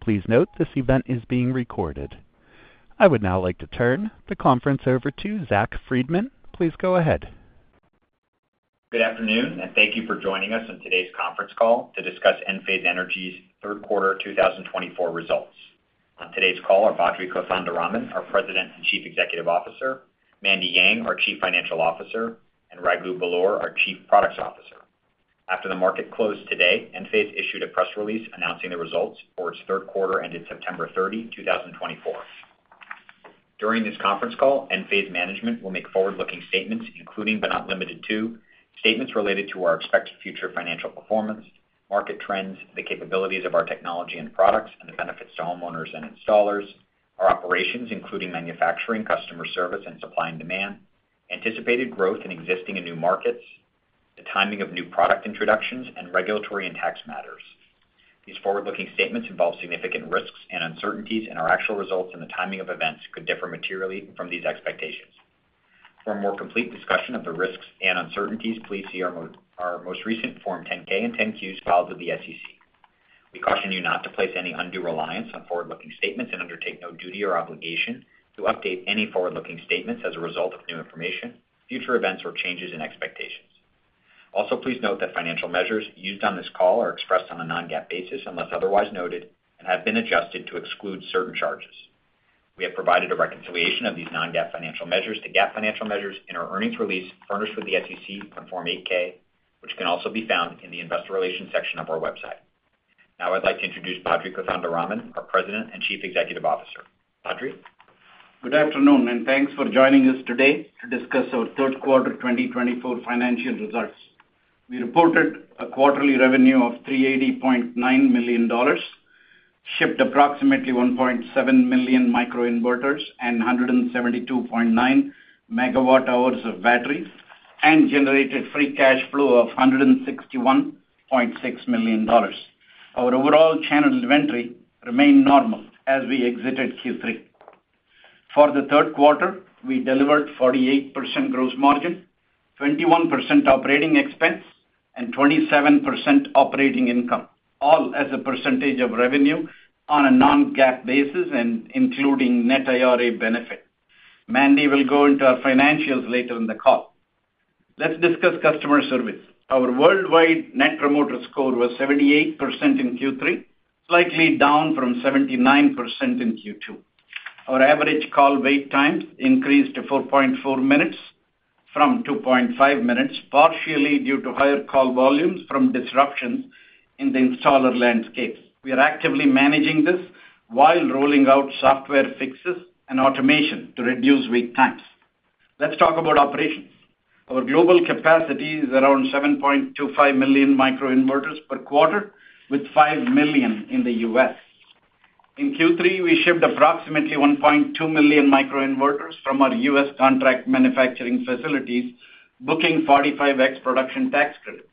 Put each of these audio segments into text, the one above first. Please note this event is being recorded. I would now like to turn the conference over to Zach Freedman. Please go ahead. Good afternoon, and thank you for joining us on today's conference call to discuss Enphase Energy's Third Quarter 2024 Results. On today's call are Badri Kothandaraman, our President and Chief Executive Officer, Mandy Yang, our Chief Financial Officer, and Raghu Belur, our Chief Products Officer. After the market closed today, Enphase issued a press release announcing the results for its third quarter ended September 30, 2024. During this conference call, Enphase management will make forward-looking statements, including, but not limited to, statements related to our expected future financial performance, market trends, the capabilities of our technology and products, and the benefits to homeowners and installers, our operations, including manufacturing, customer service, and supply and demand, anticipated growth in existing and new markets, the timing of new product introductions, and regulatory and tax matters. These forward-looking statements involve significant risks and uncertainties, and our actual results and the timing of events could differ materially from these expectations. For a more complete discussion of the risks and uncertainties, please see our most recent Form 10-K and 10-Qs filed with the SEC. We caution you not to place any undue reliance on forward-looking statements and undertake no duty or obligation to update any forward-looking statements as a result of new information, future events, or changes in expectations. Also, please note that financial measures used on this call are expressed on a Non-GAAP basis, unless otherwise noted, and have been adjusted to exclude certain charges. We have provided a reconciliation of these Non-GAAP financial measures to GAAP financial measures in our earnings release furnished with the SEC on Form 8-K, which can also be found in the Investor Relations section of our website. Now, I'd like to introduce Badri Kothandaraman, our President and Chief Executive Officer. Badri? Good afternoon, and thanks for joining us today to discuss our third quarter 2024 financial results. We reported a quarterly revenue of $380.9 million, shipped approximately 1.7 million microinverters and 172.9MWh of batteries, and generated free cash flow of $161.6 million. Our overall channel inventory remained normal as we exited Q3. For the third quarter, we delivered 48% gross margin, 21% operating expense, and 27% operating income, all as a percentage of revenue on a Non-GAAP basis and including net IRA benefit. Mandy will go into our financials later in the call. Let's discuss customer service. Our worldwide Net Promoter Score was 78% in Q3, slightly down from 79% in Q2. Our average call wait times increased to 4.4 minutes from 2.5 minutes, partially due to higher call volumes from disruptions in the installer landscape. We are actively managing this while rolling out software fixes and automation to reduce wait times. Let's talk about operations. Our global capacity is around 7.25 million microinverters per quarter, with 5 million in the U.S.. In Q3, we shipped approximately 1.2 million microinverters from our U.S. contract manufacturing facilities, booking 45X production tax credit.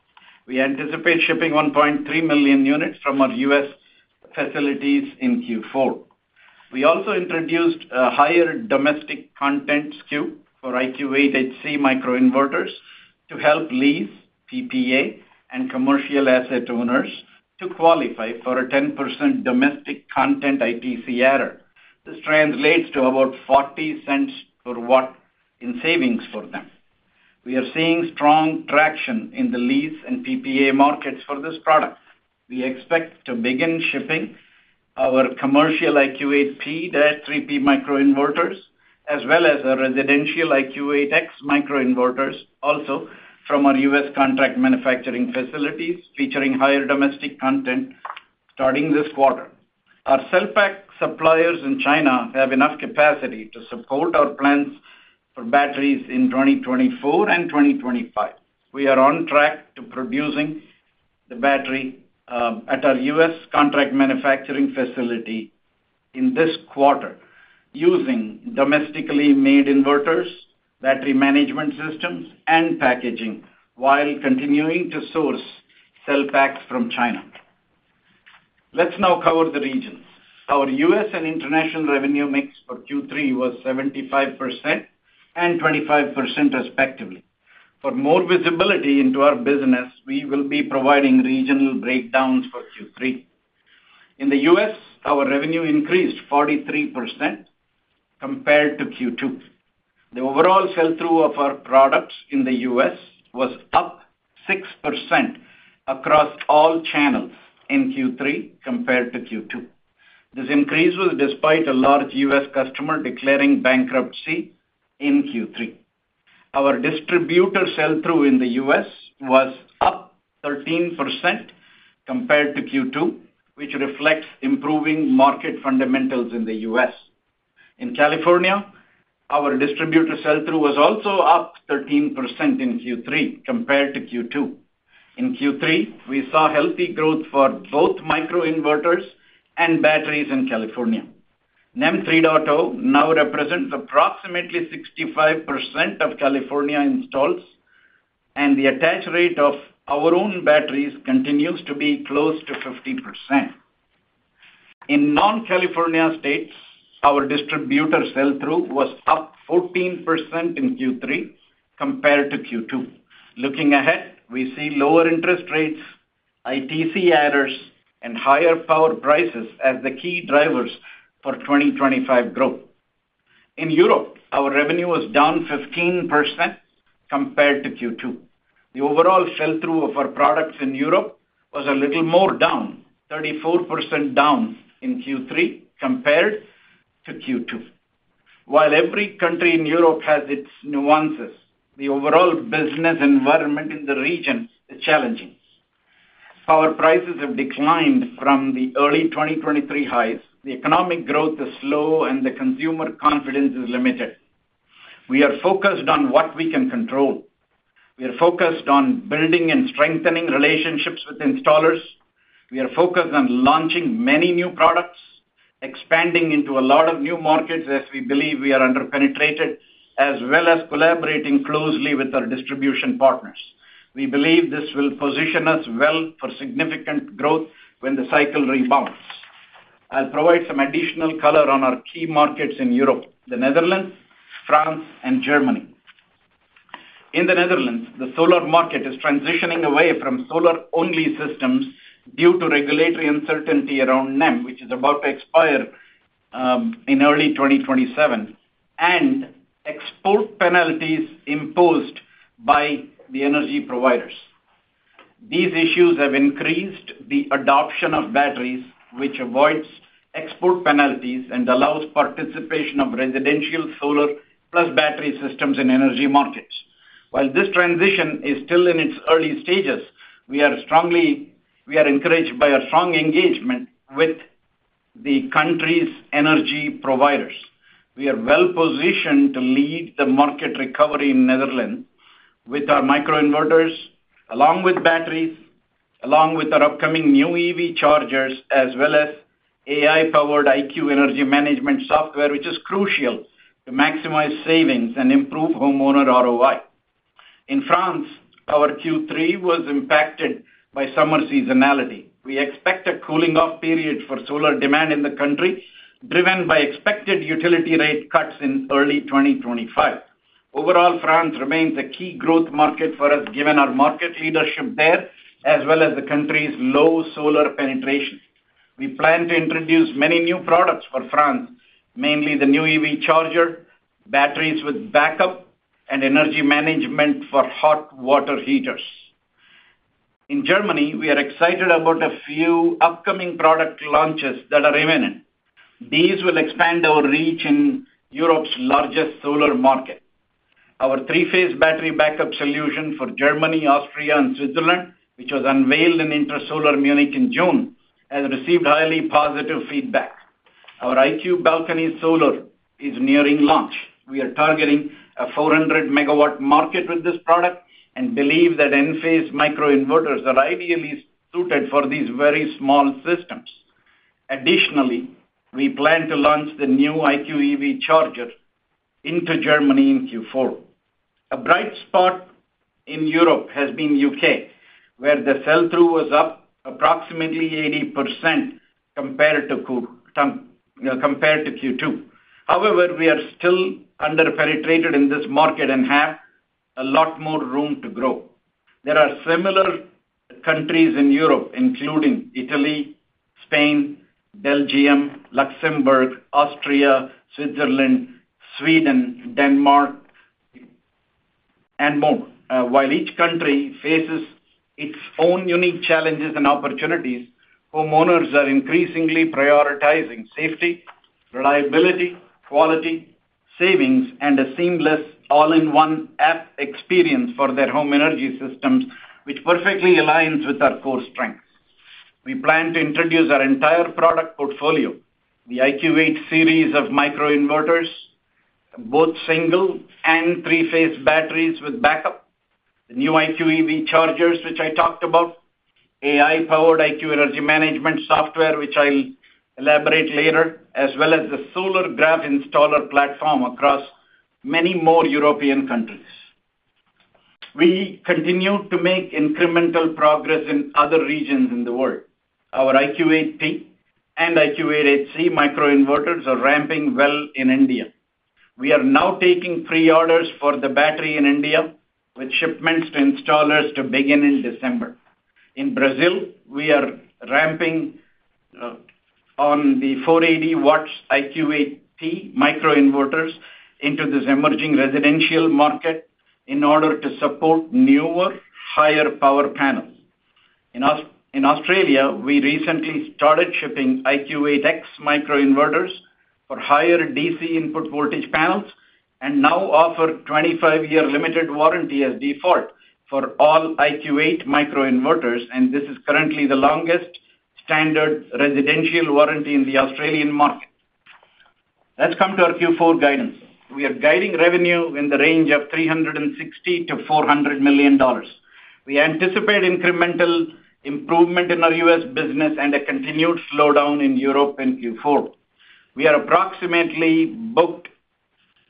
We anticipate shipping 1.3 million units from our U.S. facilities in Q4. We also introduced a higher domestic content SKU for IQ8HC microinverters to help lease, PPA, and commercial asset owners to qualify for a 10% domestic content ITC adder. This translates to about $0.40 per watt in savings for them. We are seeing strong traction in the lease and PPA markets for this product. We expect to begin shipping our commercial IQ8P-3P microinverters, as well as our residential IQ8X microinverters, also from our U.S. contract manufacturing facilities, featuring higher domestic content starting this quarter. Our cell pack suppliers in China have enough capacity to support our plans for batteries in 2024 and 2025. We are on track to producing the battery at our U.S. contract manufacturing facility in this quarter, using domestically made inverters, battery management systems, and packaging, while continuing to source cell packs from China. Let's now cover the regions. Our U.S. and international revenue mix for Q3 was 75% and 25%, respectively. For more visibility into our business, we will be providing regional breakdowns for Q3. In the U.S., our revenue increased 43% compared to Q2. The overall sell-through of our products in the U.S. was up 6% across all channels in Q3 compared to Q2. This increase was despite a large U.S. customer declaring bankruptcy in Q3. Our distributor sell-through in the U.S. was up 13% compared to Q2, which reflects improving market fundamentals in the U.S. In California, our distributor sell-through was also up 13% in Q3 compared to Q2. In Q3, we saw healthy growth for both microinverters and batteries in California. NEM 3.0 now represents approximately 65% of California installs, and the attach rate of our own batteries continues to be close to 50%. In non-California states, our distributor sell-through was up 14% in Q3 compared to Q2. Looking ahead, we see lower interest rates, ITC adders, and higher power prices as the key drivers for 2025 growth. In Europe, our revenue was down 15% compared to Q2. The overall sell-through of our products in Europe was a little more down, 34% down in Q3 compared to Q2. While every country in Europe has its nuances, the overall business environment in the region is challenging. Power prices have declined from the early 2023 highs, the economic growth is slow, and the consumer confidence is limited. We are focused on what we can control. We are focused on building and strengthening relationships with installers. We are focused on launching many new products, expanding into a lot of new markets as we believe we are under-penetrated, as well as collaborating closely with our distribution partners. We believe this will position us well for significant growth when the cycle rebounds. I'll provide some additional color on our key markets in Europe, the Netherlands, France, and Germany. In the Netherlands, the solar market is transitioning away from solar-only systems due to regulatory uncertainty around NEM, which is about to expire in early 2027, and export penalties imposed by the energy providers. These issues have increased the adoption of batteries, which avoids export penalties and allows participation of residential solar plus battery systems in energy markets. While this transition is still in its early stages, we are encouraged by a strong engagement with the country's energy providers. We are well positioned to lead the market recovery in Netherlands with our microinverters, along with batteries, along with our upcoming new EV chargers, as well as AI-powered IQ energy management software, which is crucial to maximize savings and improve homeowner ROI. In France, our Q3 was impacted by summer seasonality. We expect a cooling-off period for solar demand in the country, driven by expected utility rate cuts in early 2025. Overall, France remains a key growth market for us, given our market leadership there, as well as the country's low solar penetration. We plan to introduce many new products for France, mainly the new EV charger, batteries with backup, and energy management for hot water heaters. In Germany, we are excited about a few upcoming product launches that are imminent. These will expand our reach in Europe's largest solar market. Our three-phase battery backup solution for Germany, Austria, and Switzerland, which was unveiled in Intersolar Munich in June, has received highly positive feedback. Our IQ Balcony Solar is nearing launch. We are targeting a 400MW market with this product and believe that Enphase microinverters are ideally suited for these very small systems. Additionally, we plan to launch the new IQ EV Charger into Germany in Q4. A bright spot in Europe has been the UK, where the sell-through was up approximately 80% compared to Q2. However, we are still under-penetrated in this market and have a lot more room to grow. There are similar countries in Europe, including Italy, Spain, Belgium, Luxembourg, Austria, Switzerland, Sweden, Denmark, and more. While each country faces its own unique challenges and opportunities, homeowners are increasingly prioritizing safety, reliability, quality, savings, and a seamless all-in-one app experience for their home energy systems, which perfectly aligns with our core strengths. We plan to introduce our entire product portfolio, the IQ8 series of microinverters, both single and three-phase batteries with backup, the new IQ EV chargers, which I talked about, AI-powered IQ energy management software, which I'll elaborate later, as well as the Solargraf installer platform across many more European countries. We continue to make incremental progress in other regions in the world. Our IQ8T and IQ8HC microinverters are ramping well in India. We are now taking preorders for the battery in India, with shipments to installers to begin in December. In Brazil, we are ramping on the 480W IQ8T microinverters into this emerging residential market in order to support newer, higher-power panels. In Australia, we recently started shipping IQ8X microinverters for higher DC input voltage panels and now offer 25-year limited warranty as default for all IQ8 microinverters, and this is currently the longest standard residential warranty in the Australian market. Let's come to our Q4 guidance. We are guiding revenue in the range of $360 million-$400 million. We anticipate incremental improvement in our U.S. business and a continued slowdown in Europe in Q4. We are approximately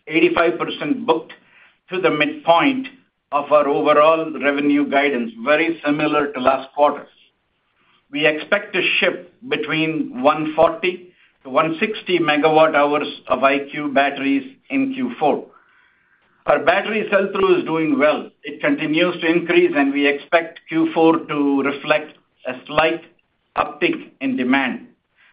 85% booked to the midpoint of our overall revenue guidance, very similar to last quarters. We expect to ship between 140MWh to 160MWh of IQ batteries in Q4. Our battery sell-through is doing well. It continues to increase, and we expect Q4 to reflect a slight uptick in demand.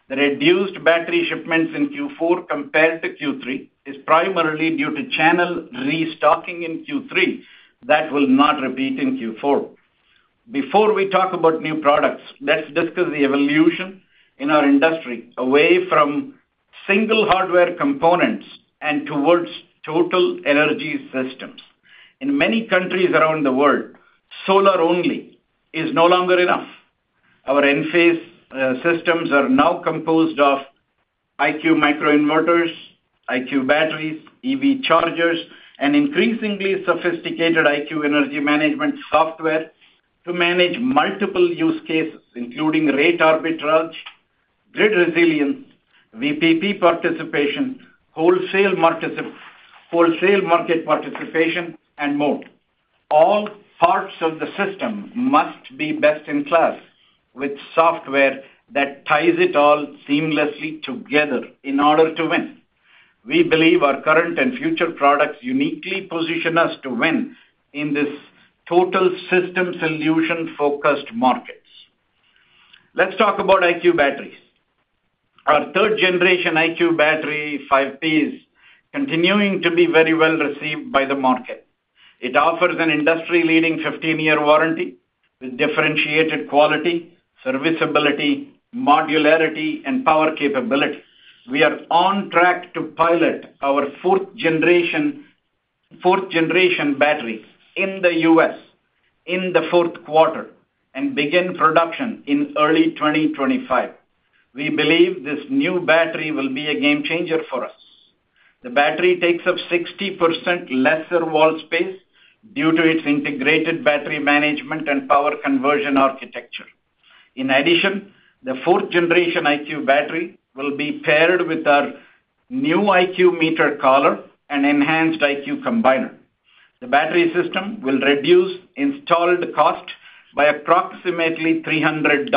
The reduced battery shipments in Q4 compared to Q3 is primarily due to channel restocking in Q3. That will not repeat in Q4. Before we talk about new products, let's discuss the evolution in our industry, away from single hardware components and towards total energy systems. In many countries around the world, solar-only is no longer enough. Our Enphase systems are now composed of IQ microinverters, IQ batteries, EV chargers, and increasingly sophisticated IQ energy management software to manage multiple use cases, including rate arbitrage, grid resilience, VPP participation, wholesale market participation, and more. All parts of the system must be best-in-class, with software that ties it all seamlessly together in order to win. We believe our current and future products uniquely position us to win in this total system solution-focused markets. Let's talk about IQ batteries. Our third generation IQ Battery 5P is continuing to be very well received by the market. It offers an industry-leading fifteen-year warranty with differentiated quality, serviceability, modularity, and power capabilities. We are on track to pilot our fourth generation battery in the U.S. in the fourth quarter and begin production in early 2025. We believe this new battery will be a game changer for us. The battery takes up 60% lesser wall space due to its integrated battery management and power conversion architecture. In addition, the fourth generation IQ Battery will be paired with our new IQ Meter Collar and enhanced IQ Combiner. The battery system will reduce installed cost by approximately $300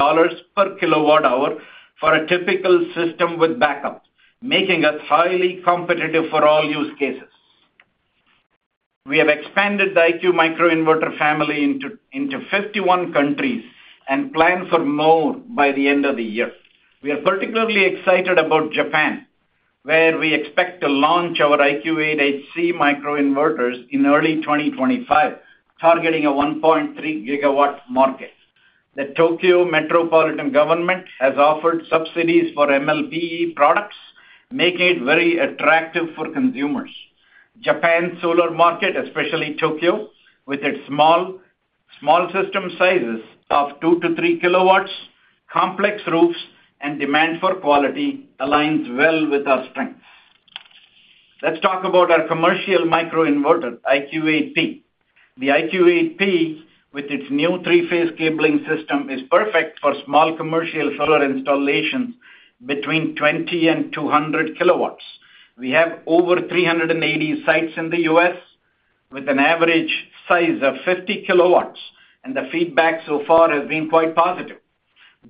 per kilowatt-hour for a typical system with backup, making us highly competitive for all use cases. We have expanded the IQ microinverter family into 51 countries and plan for more by the end of the year. We are particularly excited about Japan, where we expect to launch our IQ8HC microinverters in early 2025, targeting a 1.3GW market. The Tokyo Metropolitan Government has offered subsidies for MLPE products, making it very attractive for consumers. Japan's solar market, especially Tokyo, with its small system sizes of 2kW to 3kW, complex roofs, and demand for quality, aligns well with our strengths. Let's talk about our commercial microinverter, IQ8P. The IQ8P, with its new three-phase cabling system, is perfect for small commercial solar installations between 20kW and 200kW. We have over 380 sites in the U.S., with an average size of 50kW, and the feedback so far has been quite positive.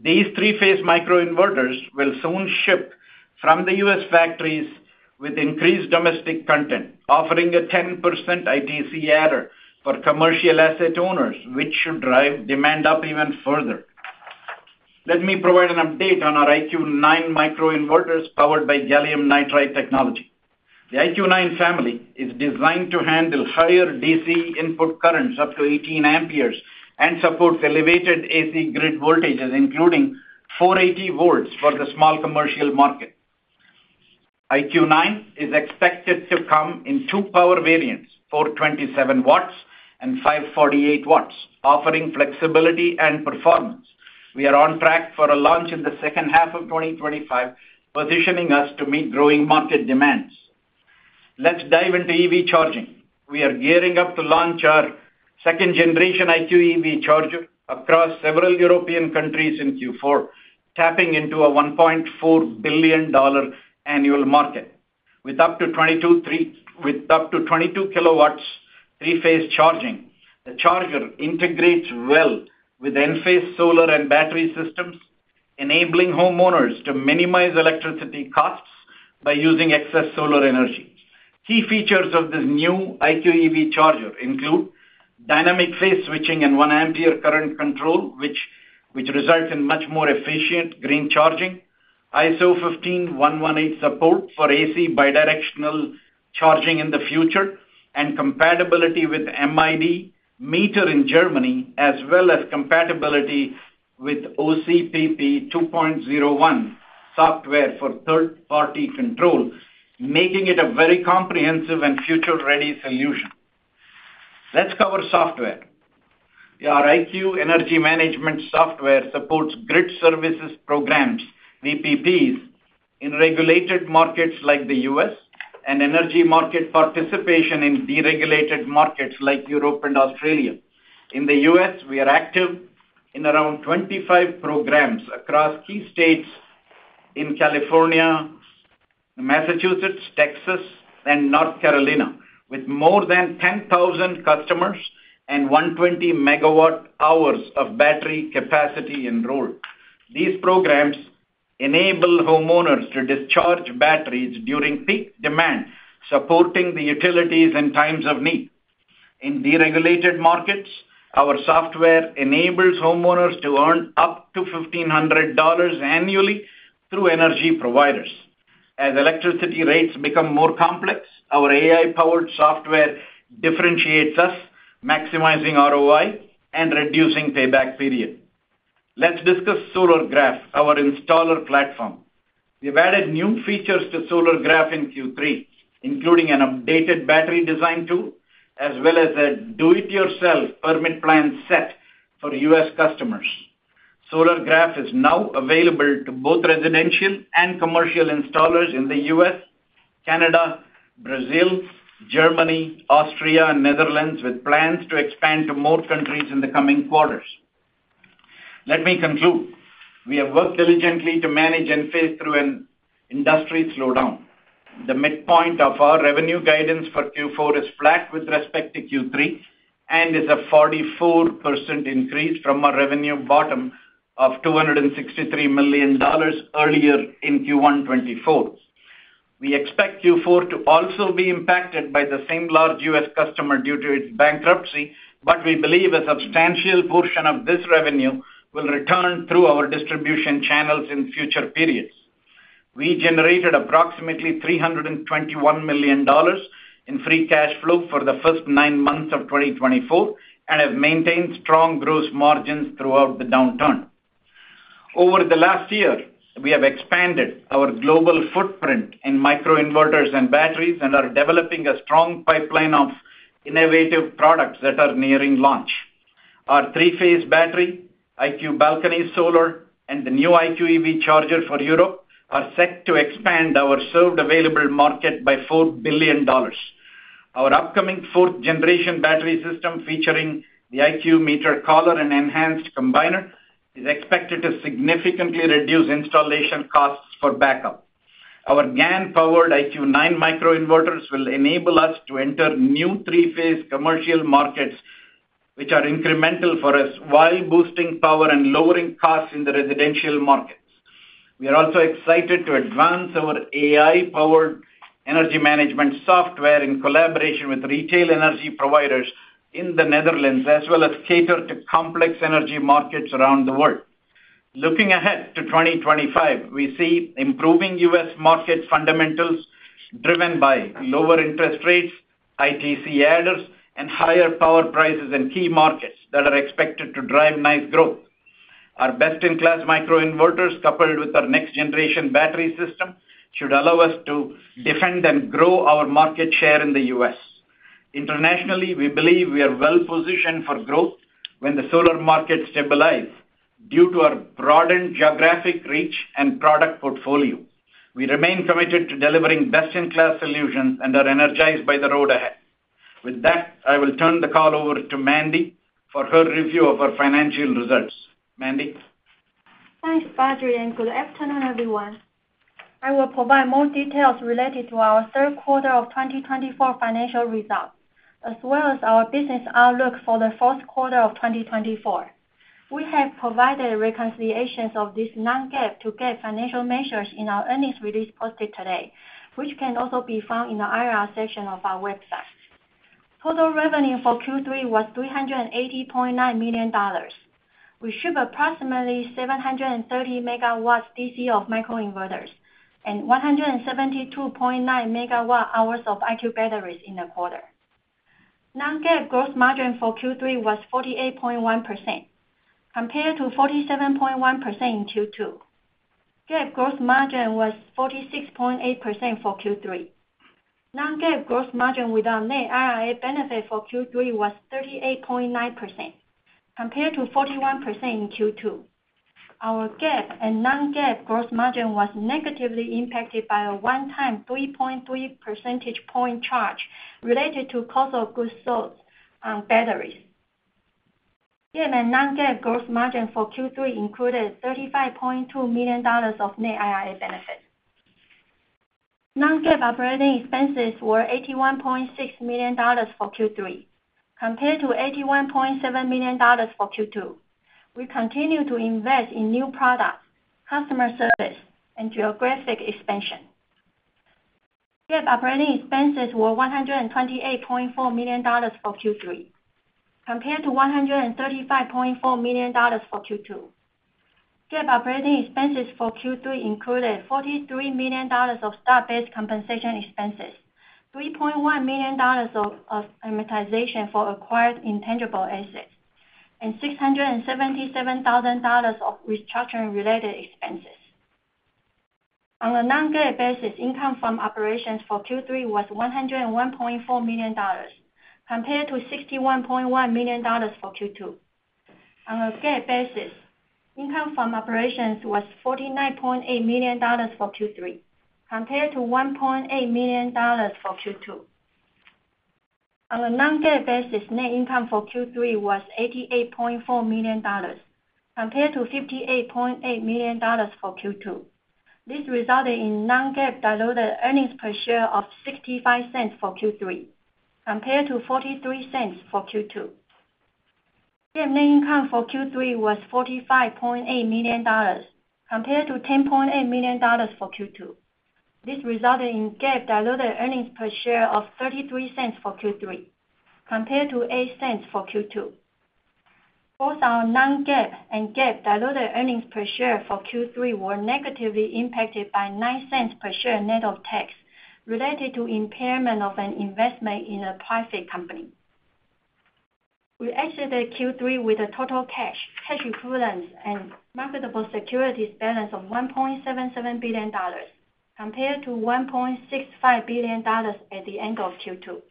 These three-phase microinverters will soon ship from the U.S. factories with increased domestic content, offering a 10% ITC adder for commercial asset owners, which should drive demand up even further. Let me provide an update on our IQ9 microinverters, powered by gallium nitride technology. The IQ9 family is designed to handle higher DC input currents, up to 18 amperes, and supports elevated AC grid voltages, including 480 volts for the small commercial market. IQ9 is expected to come in two power variants, 427W and 548W, offering flexibility and performance. We are on track for a launch in the second half of 2025, positioning us to meet growing market demands. Let's dive into EV charging. We are gearing up to launch our second generation IQ EV Charger across several European countries in Q4, tapping into a $1.4 billion annual market. With up to 22kW three-phase charging, the charger integrates well with Enphase solar and battery systems, enabling homeowners to minimize electricity costs by using excess solar energy. Key features of this new IQ EV Charger include dynamic phase switching and 1 ampere current control, which results in much more efficient green charging, ISO 15118 support for AC bidirectional charging in the future, and compatibility with MID meter in Germany, as well as compatibility with OCPP 2.0.1 software for third-party control, making it a very comprehensive and future-ready solution. Let's cover software. Our IQ energy management software supports grid services programs, VPPs, in regulated markets like the U.S. and energy market participation in deregulated markets like Europe and Australia. In the U.S., we are active in around 25 programs across key states in California, Massachusetts, Texas, and North Carolina, with more than 10,000 customers and 120MWh of battery capacity enrolled. These programs enable homeowners to discharge batteries during peak demand, supporting the utilities in times of need. In deregulated markets, our software enables homeowners to earn up to $1,500 annually through energy providers. As electricity rates become more complex, our AI-powered software differentiates us, maximizing ROI and reducing payback period. Let's discuss Solargraf, our installer platform. We've added new features to Solargraf in Q3, including an updated battery design tool, as well as a do-it-yourself permit plan set for U.S. customers. Solargraf is now available to both residential and commercial installers in the U.S., Canada, Brazil, Germany, Austria, and Netherlands, with plans to expand to more countries in the coming quarters. Let me conclude. We have worked diligently to manage and phase through an industry slowdown. The midpoint of our revenue guidance for Q4 is flat with respect to Q3, and is a 44% increase from our revenue bottom of $263 million earlier in Q1 2024. We expect Q4 to also be impacted by the same large U.S. customer due to its bankruptcy, but we believe a substantial portion of this revenue will return through our distribution channels in future periods. We generated approximately $321 million in free cash flow for the first nine months of 2024, and have maintained strong gross margins throughout the downturn. Over the last year, we have expanded our global footprint in microinverters and batteries, and are developing a strong pipeline of innovative products that are nearing launch. Our three-phase battery, IQ Balcony Solar, and the new IQ EV Charger for Europe are set to expand our served available market by $4 billion. Our upcoming fourth generation battery system, featuring the IQ Meter Collar and enhanced combiner, is expected to significantly reduce installation costs for backup. Our GaN-powered IQ9 microinverters will enable us to enter new three-phase commercial markets, which are incremental for us, while boosting power and lowering costs in the residential markets. We are also excited to advance our AI-powered energy management software in collaboration with retail energy providers in the Netherlands, as well as cater to complex energy markets around the world. Looking ahead to 2025, we see improving U.S. market fundamentals driven by lower interest rates, ITC adders, and higher power prices in key markets that are expected to drive nice growth. Our best-in-class microinverters, coupled with our next-generation battery system, should allow us to defend and grow our market share in the U.S. Internationally, we believe we are well positioned for growth when the solar market stabilize due to our broadened geographic reach and product portfolio. We remain committed to delivering best-in-class solutions and are energized by the road ahead. With that, I will turn the call over to Mandy for her review of our financial results. Mandy? Thanks, Badri, and good afternoon, everyone. I will provide more details related to our third quarter of 2024 financial results, as well as our business outlook for the fourth quarter of 2024. We have provided reconciliations of this Non-GAAP to GAAP financial measures in our earnings release posted today, which can also be found in the IR section of our website. Total revenue for Q3 was $380.9 million. We shipped approximately 730MW DC of microinverters and 172.9MWh of IQ batteries in the quarter. Non-GAAP gross margin for Q3 was 48.1%, compared to 47.1% in Q2. GAAP gross margin was 46.8% for Q3. Non-GAAP gross margin with our net IRA benefit for Q3 was 38.9%, compared to 41% in Q2. Our GAAP and Non-GAAP gross margin was negatively impacted by a one-time 3.3 percentage point charge related to cost of goods sold on batteries. GAAP and Non-GAAP gross margin for Q3 included $35.2 million of net IRA benefit. Non-GAAP operating expenses were $81.6 million for Q3, compared to $81.7 million for Q2. We continue to invest in new products, customer service, and geographic expansion. GAAP operating expenses were $128.4 million for Q3, compared to $135.4 million for Q2. GAAP operating expenses for Q3 included $43 million of stock-based compensation expenses, $3.1 million of amortization for acquired intangible assets, and $677,000 of restructuring-related expenses. On a Non-GAAP basis, income from operations for Q3 was $101.4 million, compared to $61.1 million for Q2. On a GAAP basis, income from operations was $49.8 million for Q3, compared to $1.8 million for Q2. On a Non-GAAP basis, net income for Q3 was $88.4 million, compared to $58.8 million for Q2. This resulted in Non-GAAP diluted earnings per share of $0.65 for Q3, compared to $0.43 for Q2. GAAP net income for Q3 was $45.8 million, compared to $10.8 million for Q2. This resulted in GAAP diluted earnings per share of $0.33 for Q3, compared to $0.08 for Q2. Both our Non-GAAP and GAAP diluted earnings per share for Q3 were negatively impacted by $0.09 per share net of tax, related to impairment of an investment in a private company. We exited Q3 with a total cash, cash equivalents, and marketable securities balance of $1.77 billion, compared to $1.65 billion at the end of Q2.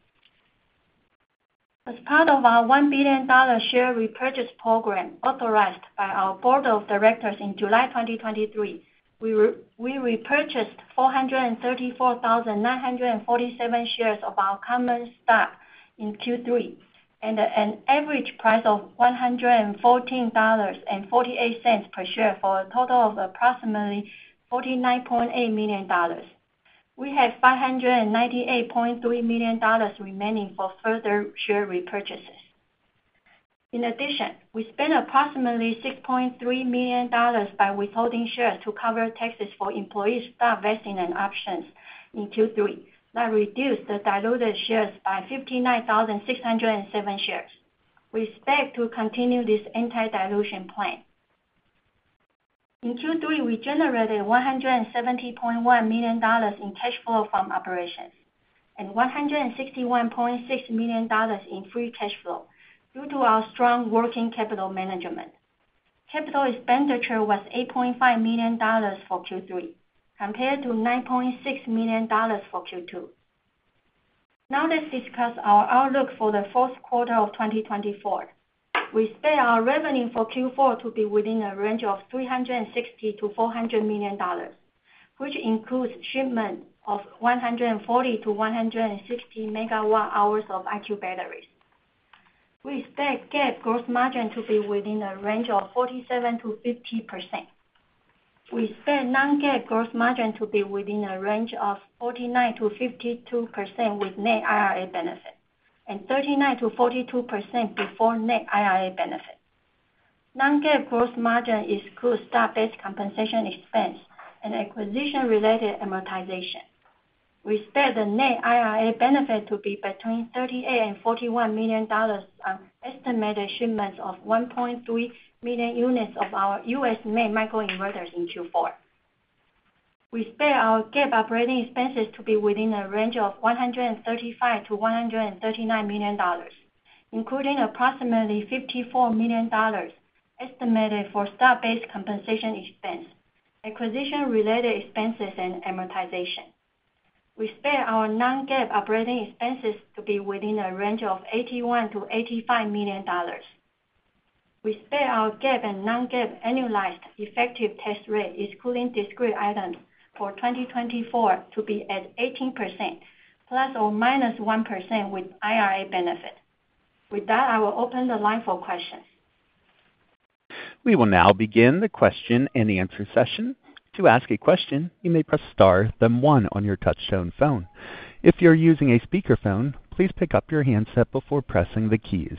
As part of our $1 billion share repurchase program authorized by our board of directors in July 2023, we repurchased 434,947 shares of our common stock in Q3 at an average price of $114.48 per share, for a total of approximately $49.8 million. We have $598.3 million remaining for further share repurchases. In addition, we spent approximately $6.3 million by withholding shares to cover taxes for employee stock vesting and options in Q3. That reduced the diluted shares by 59,607 shares. We expect to continue this anti-dilution plan. In Q3, we generated $170.1 million in cash flow from operations and $161.6 million in free cash flow due to our strong working capital management. Capital expenditure was $8.5 million for Q3, compared to $9.6 million for Q2. Now let's discuss our outlook for the fourth quarter of 2024. We expect our revenue for Q4 to be within a range of $360 million-$400 million, which includes shipment of 140MWh-160MWh of IQ batteries. We expect GAAP gross margin to be within a range of 47%-50%. We expect Non-GAAP gross margin to be within a range of 49%-52% with net IRA benefit, and 39%-42% before net IRA benefit. Non-GAAP gross margin excludes stock-based compensation expense and acquisition-related amortization. We expect the net IRA benefit to be between $38 million and $41 million on estimated shipments of 1.3 million units of our US-made microinverters in Q4. We expect our GAAP operating expenses to be within a range of $135 million-$139 million, including approximately $54 million estimated for stock-based compensation expense, acquisition-related expenses, and amortization. We expect our Non-GAAP operating expenses to be within a range of $81 million-$85 million. We expect our GAAP and Non-GAAP annualized effective tax rate, excluding discrete items, for 2024 to be at 18%, ±1% with IRA benefit. With that, I will open the line for questions. We will now begin the question and answer session. To ask a question, you may press star, then one on your touchtone phone. If you're using a speakerphone, please pick up your handset before pressing the keys.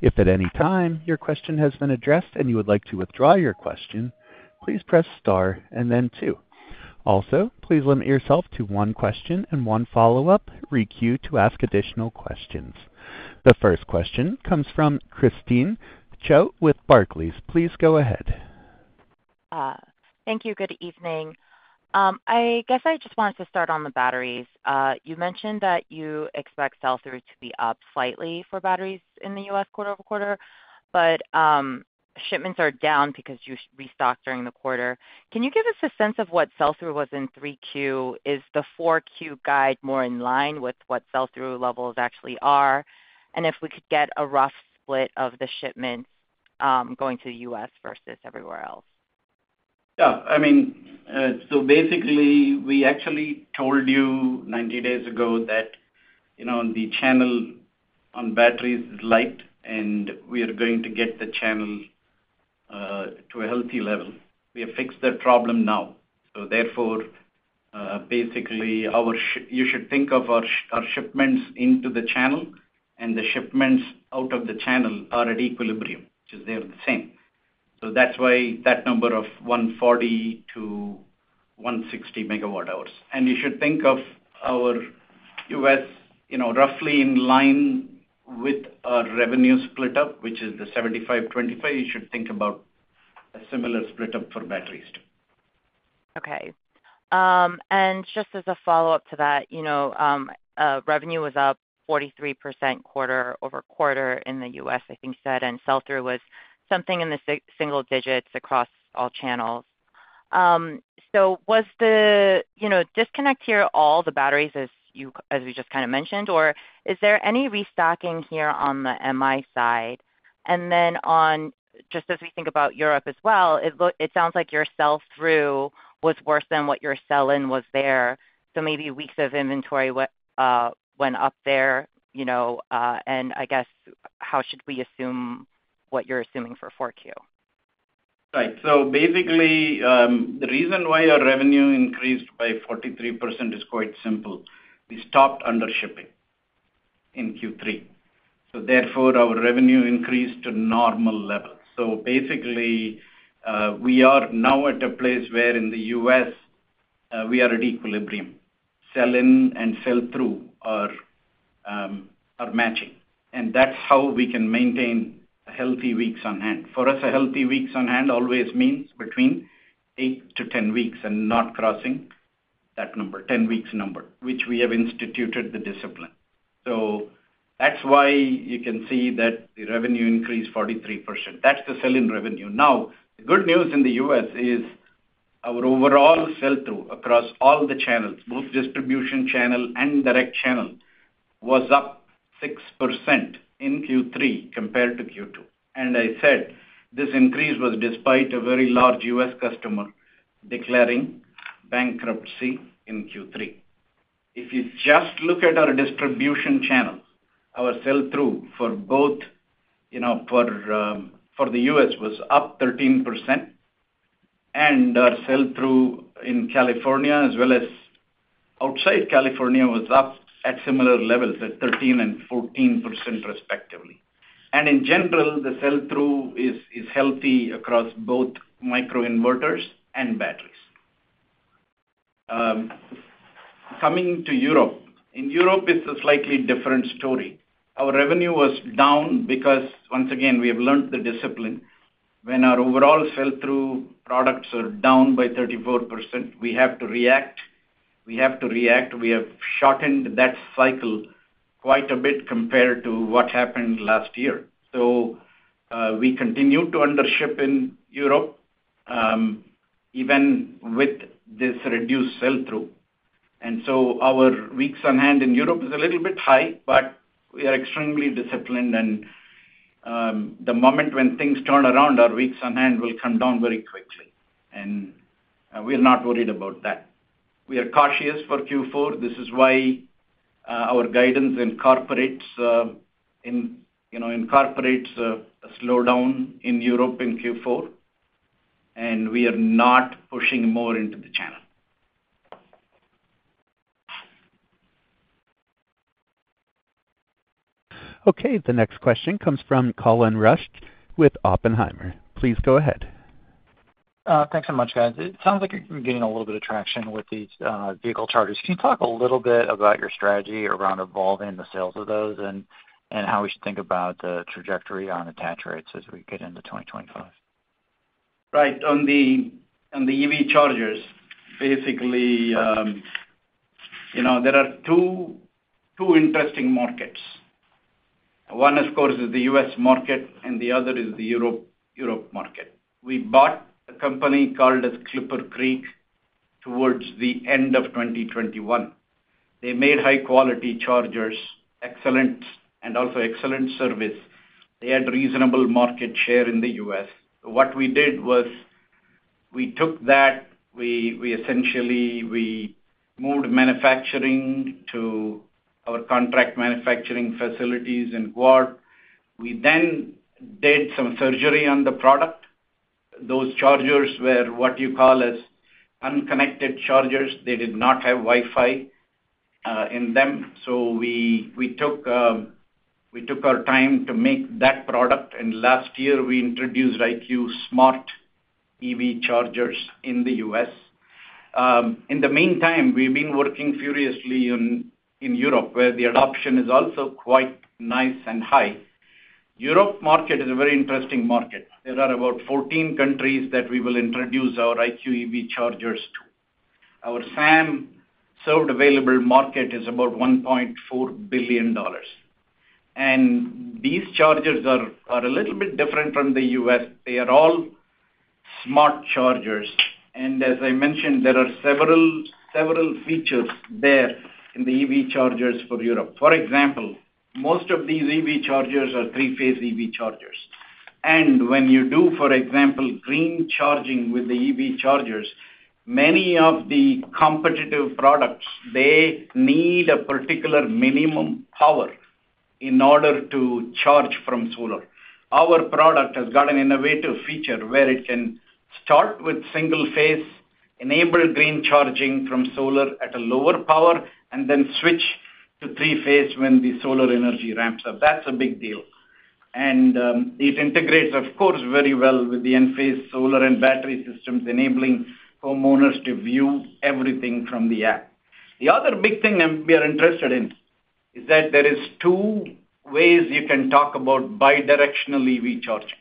If at any time your question has been addressed and you would like to withdraw your question, please press star and then two. Also, please limit yourself to one question and one follow-up. Requeue to ask additional questions. The first question comes from Christine Cho with Barclays. Please go ahead. Thank you. Good evening. I guess I just wanted to start on the batteries. You mentioned that you expect sell-through to be up slightly for batteries in the U.S. quarter-over-quarter, but shipments are down because you restocked during the quarter. Can you give us a sense of what sell-through was in 3Q? Is the 4Q guide more in line with what sell-through levels actually are? And if we could get a rough split of the shipments going to the U.S. versus everywhere else? Yeah, I mean, so basically, we actually told you ninety days ago that, you know, the channel on batteries is light, and we are going to get the channel to a healthy level. We have fixed that problem now. So therefore, basically, our shipments into the channel and the shipments out of the channel are at equilibrium, which is they are the same. So that's why that number of 140MWh-160MWh. You should think of our U.S., you know, roughly in line with our revenue split up, which is the 75-25. You should think about a similar split up for batteries, too. Okay. And just as a follow-up to that, you know, revenue was up 43% quarter-over-quarter in the U.S., I think you said, and sell-through was something in the single digits across all channels. So was the, you know, disconnect here, all the batteries, as we just kind of mentioned, or is there any restocking here on the MI side? And then on, just as we think about Europe as well, it sounds like your sell-through was worse than what your sell-in was there, so maybe weeks of inventory went up there, you know? And I guess, how should we assume what you're assuming for 4Q?... Right. So basically, the reason why our revenue increased by 43% is quite simple: we stopped undershipping in Q3, so therefore, our revenue increased to normal levels. So basically, we are now at a place where in the U.S., we are at equilibrium. Sell-in and sell-through are matching, and that's how we can maintain a healthy weeks on hand. For us, a healthy weeks on hand always means between eight to ten weeks and not crossing that number, ten weeks number, which we have instituted the discipline. So that's why you can see that the revenue increased 43%. That's the sell-in revenue. Now, the good news in the US is our overall sell-through across all the channels, both distribution channel and direct channel, was up 6% in Q3 compared to Q2. I said this increase was despite a very large U.S. customer declaring bankruptcy in Q3. If you just look at our distribution channels, our sell-through for both, you know, for, for the U.S., was up 13%, and our sell-through in California as well as outside California, was up at similar levels, at 13% and 14% respectively. In general, the sell-through is healthy across both microinverters and batteries. Coming to Europe. In Europe, it's a slightly different story. Our revenue was down because, once again, we have learned the discipline. When our overall sell-through products are down by 34%, we have to react. We have to react. We have shortened that cycle quite a bit compared to what happened last year. We continue to undership in Europe, even with this reduced sell-through. And so our weeks on hand in Europe is a little bit high, but we are extremely disciplined and the moment when things turn around, our weeks on hand will come down very quickly, and we are not worried about that. We are cautious for Q4. This is why our guidance incorporates, you know, a slowdown in Europe in Q4, and we are not pushing more into the channel. Okay. The next question comes from Colin Rusch with Oppenheimer. Please go ahead. Thanks so much, guys. It sounds like you're gaining a little bit of traction with these vehicle chargers. Can you talk a little bit about your strategy around evolving the sales of those and how we should think about the trajectory on attach rates as we get into 2025? Right. On the EV chargers, basically, you know, there are two interesting markets. One, of course, is the U.S. market, and the other is the Europe market. We bought a company called ClipperCreek towards the end of 2021. They made high-quality chargers, excellent and also excellent service. They had reasonable market share in the U.S. What we did was we took that, we essentially moved manufacturing to our contract manufacturing facilities in Guadalajara. We then did some surgery on the product. Those chargers were what you call unconnected chargers. They did not have Wi-Fi in them, so we took our time to make that product, and last year we introduced IQ Smart EV chargers in the U.S. In the meantime, we've been working furiously in Europe, where the adoption is also quite nice and high. Europe market is a very interesting market. There are about 14 countries that we will introduce our IQ EV chargers to. Our SAM, served available market, is about $1.4 billion. And these chargers are a little bit different from the U.S. They are all smart chargers, and as I mentioned, there are several features there in the EV chargers for Europe. For example, most of these EV chargers are three-phase EV chargers. And when you do, for example, green charging with the EV chargers, many of the competitive products, they need a particular minimum power in order to charge from solar. Our product has got an innovative feature where it can start with single-phase, enable green charging from solar at a lower power, and then switch to three-phase when the solar energy ramps up. That's a big deal, and it integrates, of course, very well with the Enphase solar and battery systems, enabling homeowners to view everything from the app. The other big thing that we are interested in is that there are two ways you can talk about bidirectional EV charging.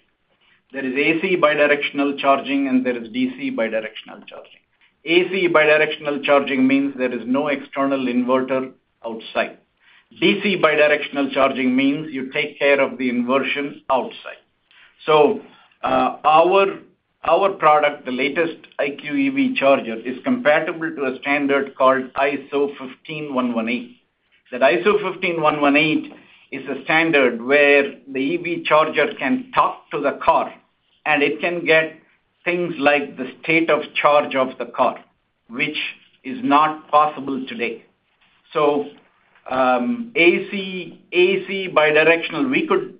There is AC bidirectional charging, and there is DC bidirectional charging. AC bidirectional charging means there is no external inverter outside. DC bidirectional charging means you take care of the inversion outside, so our product, the latest IQ EV Charger, is comparable to a standard called ISO 15118. That ISO 15118 is a standard where the EV charger can talk to the car, and it can get things like the state of charge of the car, which is not possible today. AC, AC bidirectional, we could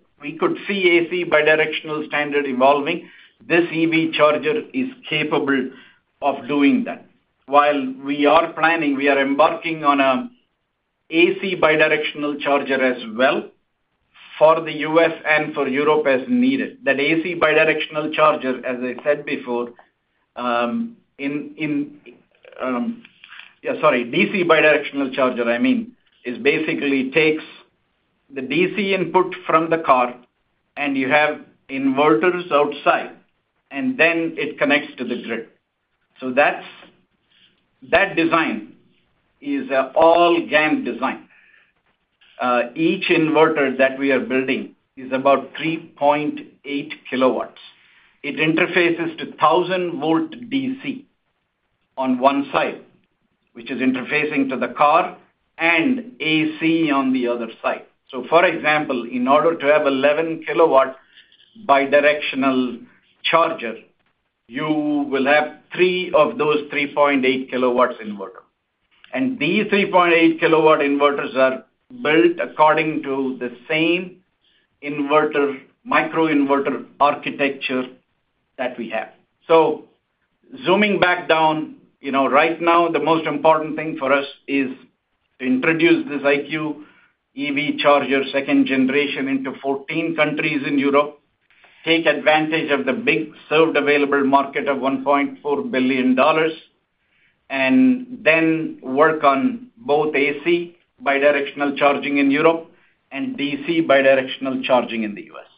see AC bidirectional standard evolving. This EV charger is capable of doing that. While we are planning, we are embarking on an AC bidirectional charger as well for the U.S. and for Europe as needed. That AC bidirectional charger, as I said before, DC bidirectional charger, I mean, is basically takes the DC input from the car, and you have inverters outside, and then it connects to the grid. That design is an all GaN design. Each inverter that we are building is about 3.8kW. It interfaces to 1,000-volt DC on one side, which is interfacing to the car, and AC on the other side. So for example, in order to have 11kW bidirectional charger, you will have three of those 3.8kW inverters. And these 3.8kW inverters are built according to the same inverter, microinverter architecture that we have. So zooming back down, you know, right now, the most important thing for us is to introduce this IQ EV Charger, second generation, into 14 countries in Europe, take advantage of the big served available market of $1.4 billion, and then work on both AC bidirectional charging in Europe and DC bidirectional charging in the U.S..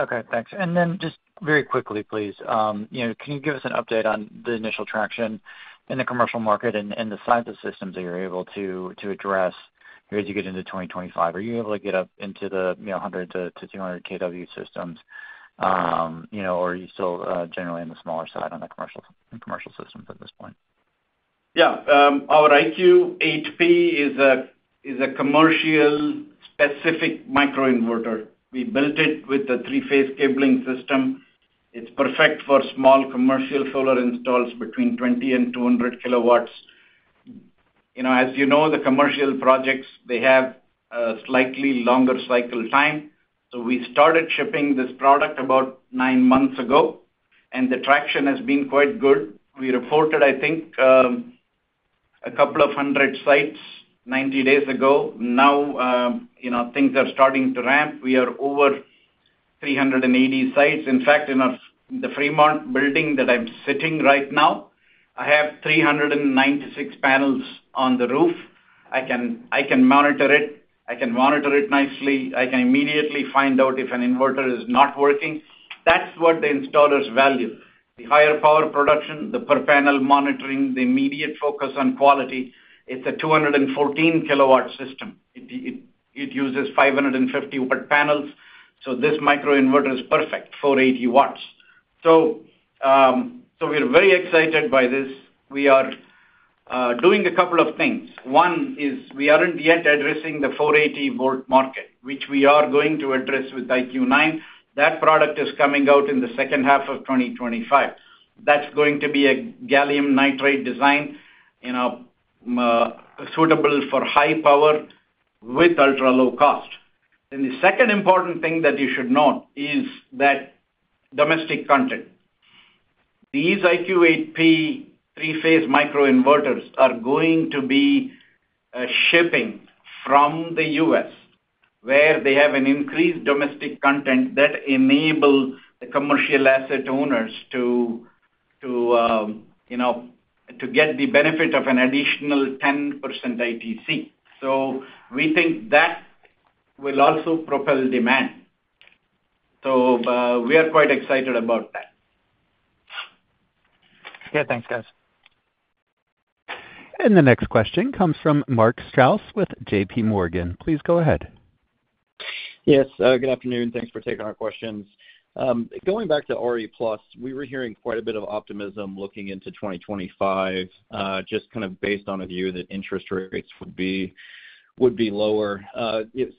Okay, thanks. And then just very quickly, please, you know, can you give us an update on the initial traction in the commercial market and the size of systems that you're able to address as you get into 2025? Are you able to get up into the, you know, 100-200 kW systems, you know, or are you still generally on the smaller side on the commercial, in commercial systems at this point? Yeah. Our IQ8P is a commercial-specific microinverter. We built it with a three-phase cabling system. It's perfect for small commercial solar installs between 20kW and 200kW. You know, as you know, the commercial projects, they have a slightly longer cycle time. So we started shipping this product about nine months ago, and the traction has been quite good. We reported, I think, a couple of hundred sites 90 days ago. Now, you know, things are starting to ramp. We are over 380 sites. In fact, in the Fremont building that I'm sitting right now, I have 396 panels on the roof. I can monitor it. I can monitor it nicely. I can immediately find out if an inverter is not working. That's what the installers value. The higher power production, the per-panel monitoring, the immediate focus on quality. It's a 214kW system. It uses 550W panels, so this microinverter is perfect, 480W. So we're very excited by this. We are doing a couple of things. One is we aren't yet addressing the 480-volt market, which we are going to address with IQ9. That product is coming out in the second half of 2025. That's going to be a gallium nitride design, you know, suitable for high power with ultra-low cost. Then the second important thing that you should note is that domestic content. These IQ8P-3P microinverters are going to be shipping from the U.S., where they have an increased domestic content that enable the commercial asset owners to you know to get the benefit of an additional 10% ITC. So we think that will also propel demand. So we are quite excited about that. Yeah. Thanks, guys. The next question comes from Mark Strouse with J.P. Morgan. Please go ahead. Yes. Good afternoon. Thanks for taking our questions. Going back to RE+, we were hearing quite a bit of optimism looking into 2025, just kind of based on a view that interest rates would be lower.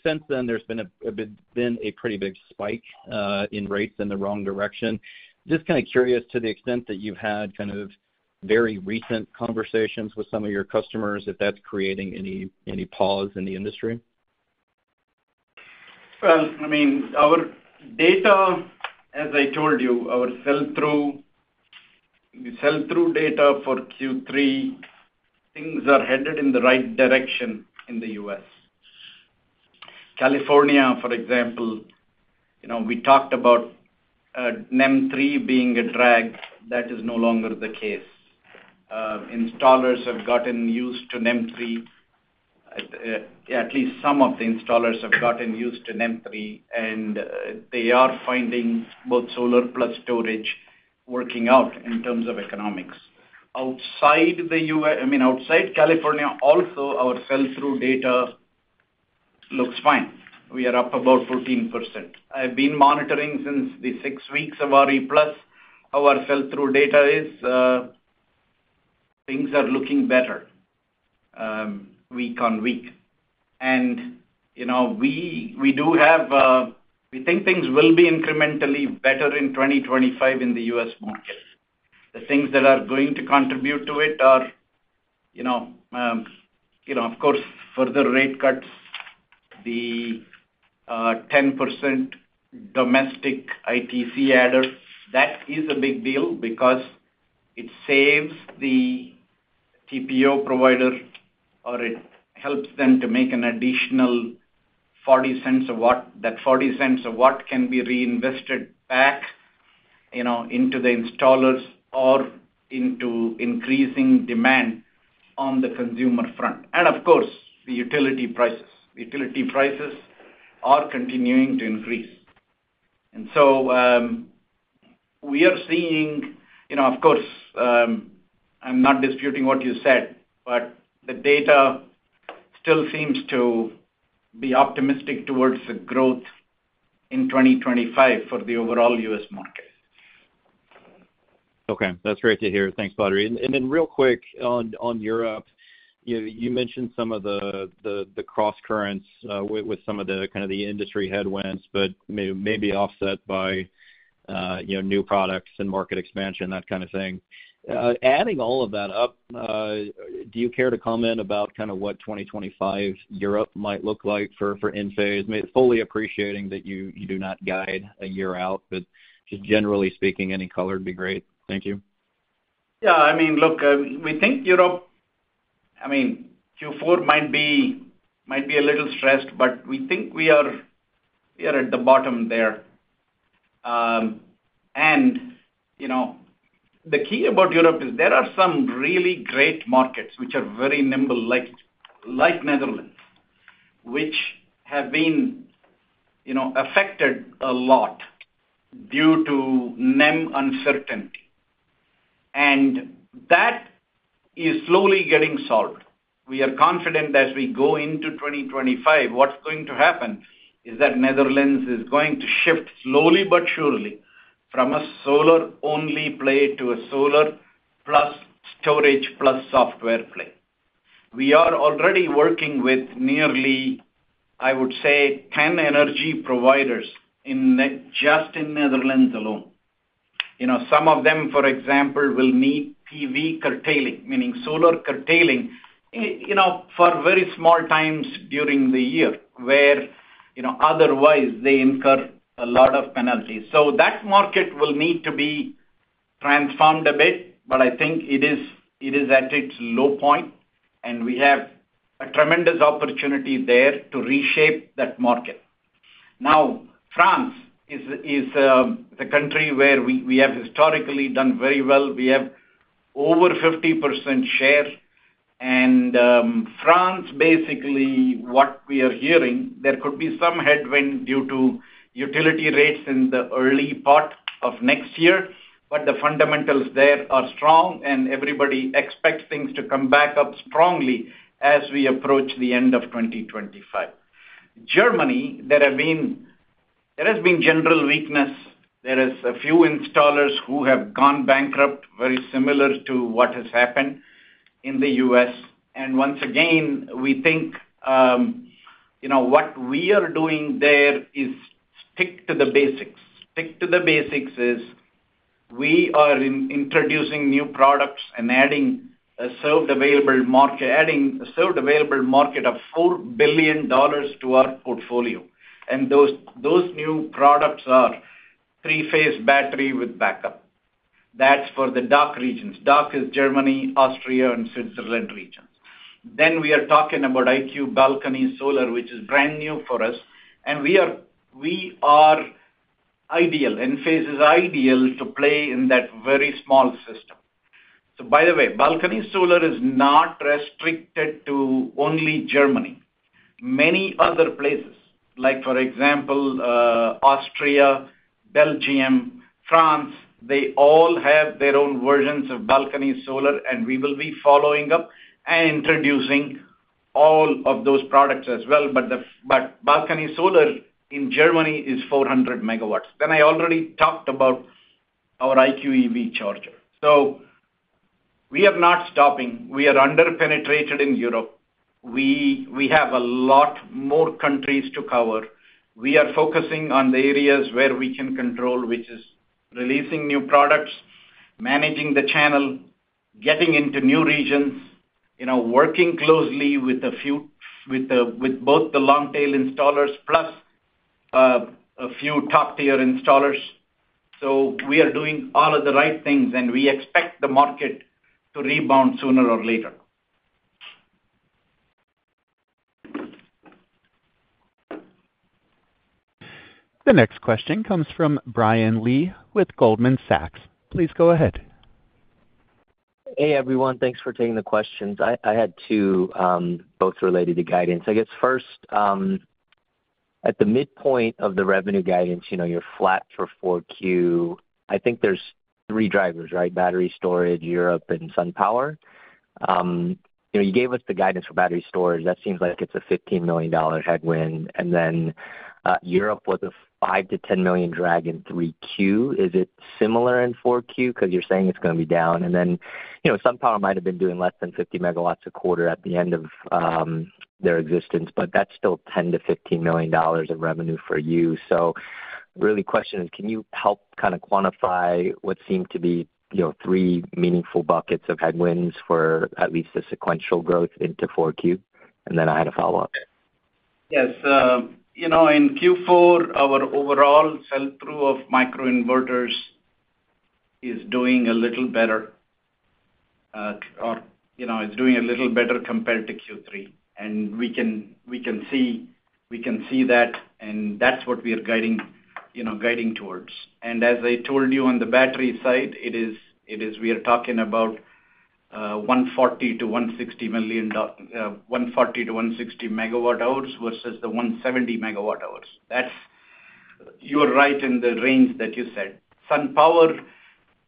Since then, there's been a pretty big spike in rates in the wrong direction. Just kind of curious to the extent that you've had kind of very recent conversations with some of your customers, if that's creating any pause in the industry. I mean, our data, as I told you, our sell-through, the sell-through data for Q3, things are headed in the right direction in the U.S. California, for example, you know, we talked about, NEM 3 being a drag. That is no longer the case. Installers have gotten used to NEM 3. At least some of the installers have gotten used to NEM 3, and they are finding both solar plus storage working out in terms of economics. Outside the U.S., I mean, outside California, also, our sell-through data looks fine. We are up about 14%. I've been monitoring since the six weeks of RE+. Our sell-through data is, things are looking better, week on week. And, you know, we do have. We think things will be incrementally better in 2025 in the U.S. market. The things that are going to contribute to it are, you know, of course, further rate cuts, the 10% domestic ITC adder. That is a big deal because it saves the TPO provider, or it helps them to make an additional $0.40 a watt. That $0.40 a watt can be reinvested back, you know, into the installers or into increasing demand on the consumer front. And of course, the utility prices. The utility prices are continuing to increase. And so, we are seeing, you know, of course, I'm not disputing what you said, but the data still seems to be optimistic towards the growth in 2025 for the overall U.S. market. Okay. That's great to hear. Thanks, Badri. And then real quick on Europe, you mentioned some of the crosscurrents with some of the kind of the industry headwinds, but may be offset by, you know, new products and market expansion, that kind of thing. Adding all of that up, do you care to comment about kind of what 2025 Europe might look like for Enphase? Fully appreciating that you do not guide a year out, but just generally speaking, any color would be great. Thank you. Yeah, I mean, look, we think Europe, I mean, Q4 might be a little stressed, but we think we are at the bottom there. You know, the key about Europe is there are some really great markets which are very nimble, like Netherlands, which have been, you know, affected a lot due to NEM uncertainty, and that is slowly getting solved. We are confident as we go into 2025, what's going to happen is that Netherlands is going to shift slowly but surely from a solar-only play to a solar plus storage plus software play. We are already working with nearly, I would say, ten energy providers in just Netherlands alone. You know, some of them, for example, will need PV curtailing, meaning solar curtailing, you know, for very small times during the year, where, you know, otherwise they incur a lot of penalties. So that market will need to be transformed a bit, but I think it is at its low point, and we have a tremendous opportunity there to reshape that market. Now, France is the country where we have historically done very well. We have over 50% share. France, basically what we are hearing, there could be some headwind due to utility rates in the early part of next year, but the fundamentals there are strong, and everybody expects things to come back up strongly as we approach the end of 2025. Germany, there has been general weakness. There is a few installers who have gone bankrupt, very similar to what has happened in the U.S.. And once again, we think, you know, what we are doing there is stick to the basics. Stick to the basics is, we are introducing new products and adding a served available market, adding a served available market of $4 billion to our portfolio. And those, those new products are three-phase battery with backup. That's for the DACH regions. DACH is Germany, Austria, and Switzerland regions. Then we are talking about IQ Balcony Solar, which is brand new for us, and we are, we are ideal, Enphase is ideal to play in that very small system. So by the way, balcony solar is not restricted to only Germany. Many other places, like, for example, Austria, Belgium, France, they all have their own versions of balcony solar, and we will be following up and introducing all of those products as well, but balcony solar in Germany is 400MW, then I already talked about our IQ EV Charger, so we are not stopping. We are under-penetrated in Europe. We have a lot more countries to cover. We are focusing on the areas where we can control, which is releasing new products, managing the channel, getting into new regions, you know, working closely with both the long-tail installers plus a few top-tier installers. So we are doing all of the right things, and we expect the market to rebound sooner or later. The next question comes from Brian Lee with Goldman Sachs. Please go ahead. Hey, everyone. Thanks for taking the questions. I had two, both related to guidance. I guess first, at the midpoint of the revenue guidance, you know, you're flat for 4Q. I think there's three drivers, right? Battery storage, Europe, and SunPower. You know, you gave us the guidance for battery storage. That seems like it's a $15 million headwind. And then, Europe was a $5-$10 million drag in 3Q. Is it similar in 4Q? Because you're saying it's gonna be down. And then, you know, SunPower might have been doing less than 50MW a quarter at the end of their existence, but that's still $10 million-$15 million of revenue for you. So... Real question is, can you help kind of quantify what seemed to be, you know, three meaningful buckets of headwinds for at least the sequential growth into Q4? And then I had a follow-up. Yes. You know, in Q4, our overall sell-through of microinverters is doing a little better, or, you know, it's doing a little better compared to Q3. And we can see that, and that's what we are guiding, you know, guiding towards. And as I told you on the battery side, it is we are talking about 140MWh-160MWh versus the 170MWh. That's you're right in the range that you said. SunPower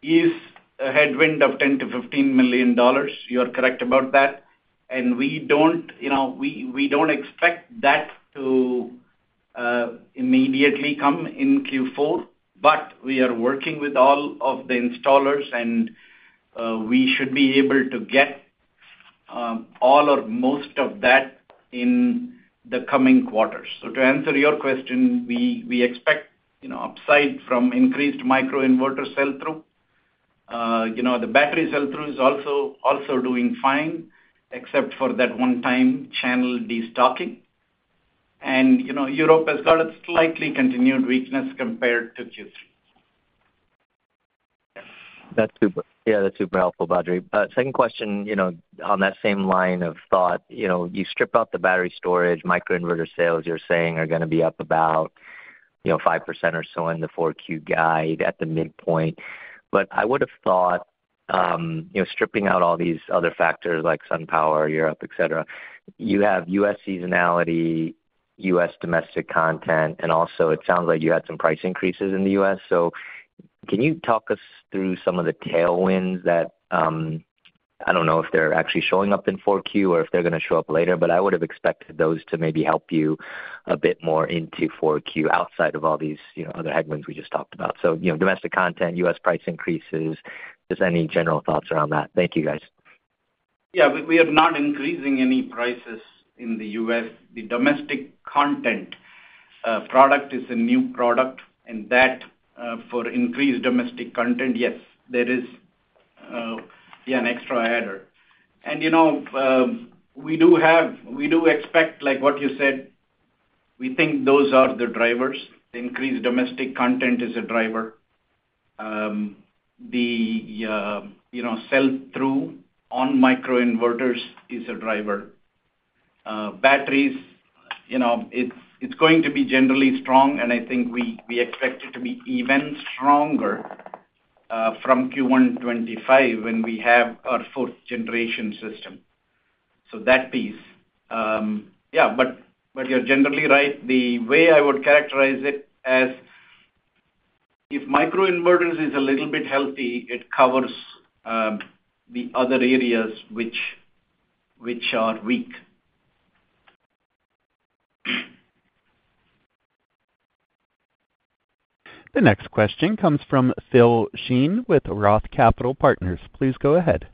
is a headwind of $10 million-$15 million. You are correct about that, and we don't, you know, we don't expect that to immediately come in Q4, but we are working with all of the installers, and we should be able to get all or most of that in the coming quarters. So to answer your question, we expect, you know, upside from increased microinverter sell-through. You know, the battery sell-through is also doing fine, except for that one time channel destocking. And, you know, Europe has got a slightly continued weakness compared to Q3. That's super. Yeah, that's super helpful, Badri. Second question, you know, on that same line of thought. You know, you strip out the battery storage, microinverter sales, you're saying are gonna be up about, you know, 5% or so in the 4Q guide at the midpoint. But I would have thought, you know, stripping out all these other factors like SunPower, Europe, et cetera, you have U.S. seasonality, U.S. domestic content, and also it sounds like you had some price increases in the U.S. So can you talk us through some of the tailwinds that, I don't know if they're actually showing up in 4Q or if they're gonna show up later, but I would have expected those to maybe help you a bit more into 4Q, outside of all these, you know, other headwinds we just talked about. So, you know, domestic content, U.S. price increases, just any general thoughts around that? Thank you, guys. Yeah, we are not increasing any prices in the U.S. The domestic content product is a new product, and that, for increased domestic content, yes, there is, yeah, an extra adder. And, you know, we do have, we do expect, like what you said, we think those are the drivers. Increased domestic content is a driver. The, you know, sell-through on microinverters is a driver. Batteries, you know, it's going to be generally strong, and I think we expect it to be even stronger, from Q1 2025, when we have our fourth generation system. So that piece. Yeah, but you're generally right. The way I would characterize it as if microinverters is a little bit healthy, it covers the other areas which are weak. The next question comes from Philip Shen with Roth Capital Partners. Please go ahead.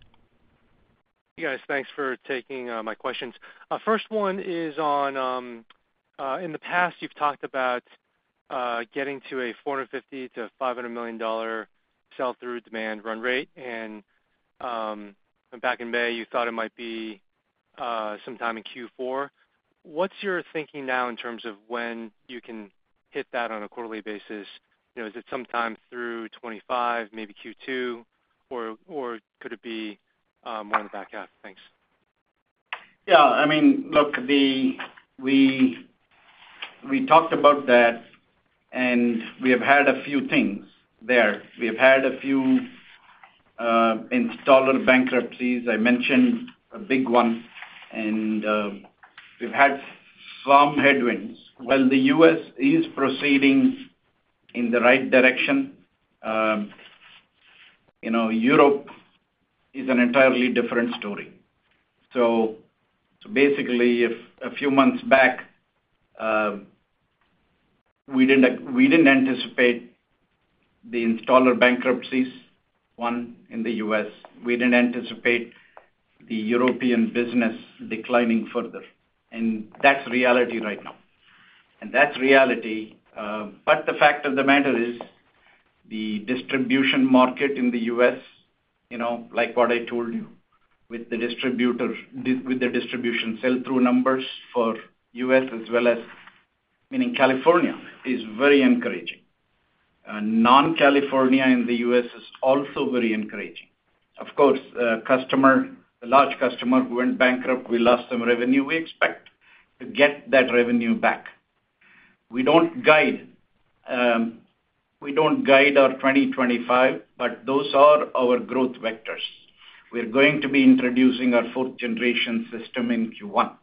Hey, guys, thanks for taking my questions. First one is on, in the past, you've talked about getting to a $450 million-$500 million sell-through demand run rate, and, back in May, you thought it might be sometime in Q4. What's your thinking now in terms of when you can hit that on a quarterly basis? You know, is it sometime through 2025, maybe Q2, or, or could it be more in the back half? Thanks. Yeah, I mean, look, we talked about that, and we have had a few things there. We have had a few installer bankruptcies. I mentioned a big one, and we've had some headwinds. While the U.S. is proceeding in the right direction, you know, Europe is an entirely different story. So basically, a few months back, we didn't anticipate the installer bankruptcies, one in the U.S.. We didn't anticipate the European business declining further, and that's reality right now, and that's reality. But the fact of the matter is, the distribution market in the U.S., you know, like what I told you, with the distribution sell-through numbers for U.S. as well as meaning California, is very encouraging. Non-California in the U.S. is also very encouraging. Of course, a customer, a large customer who went bankrupt, we lost some revenue. We expect to get that revenue back. We don't guide, we don't guide our 2025, but those are our growth vectors. We're going to be introducing our fourth generation system in Q1.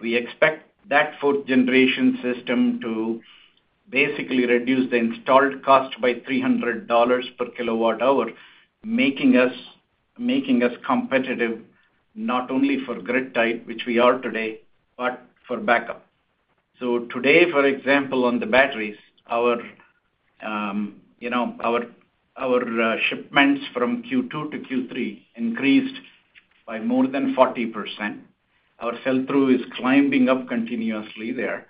We expect that fourth generation system to basically reduce the installed cost by $300 per kilowatt-hour, making us, making us competitive not only for grid-tied, which we are today, but for backup. So today, for example, on the batteries, our, you know, our shipments from Q2 to Q3 increased by more than 40%. Our sell-through is climbing up continuously there,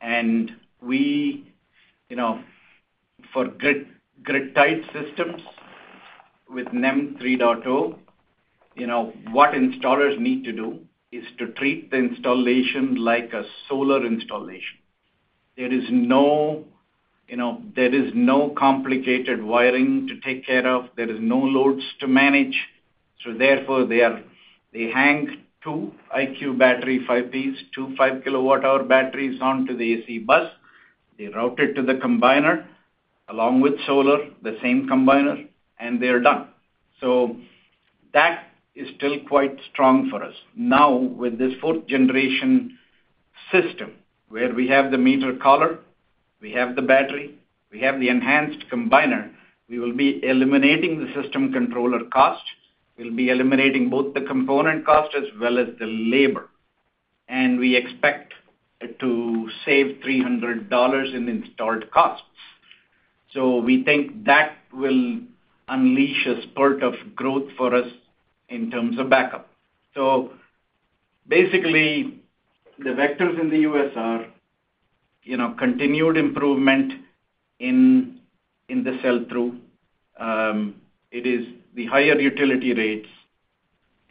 and we, you know, for grid, grid-tied systems with NEM 3.0, you know, what installers need to do is to treat the installation like a solar installation. There is no, you know, there is no complicated wiring to take care of. There is no loads to manage, so therefore, they are. They hang two IQ Battery 5Ps, two 5kWh batteries onto the AC bus. They route it to the combiner, along with solar, the same combiner, and they are done. So that is still quite strong for us. Now, with this fourth-generation system, where we have the IQ Meter Collar, we have the battery, we have the enhanced combiner, we will be eliminating the System Controller cost. We'll be eliminating both the component cost as well as the labor, and we expect it to save $300 in installed costs. So we think that will unleash a spurt of growth for us in terms of backup. So basically, the vectors in the U.S. are, you know, continued improvement in, in the sell-through. It is the higher utility rates,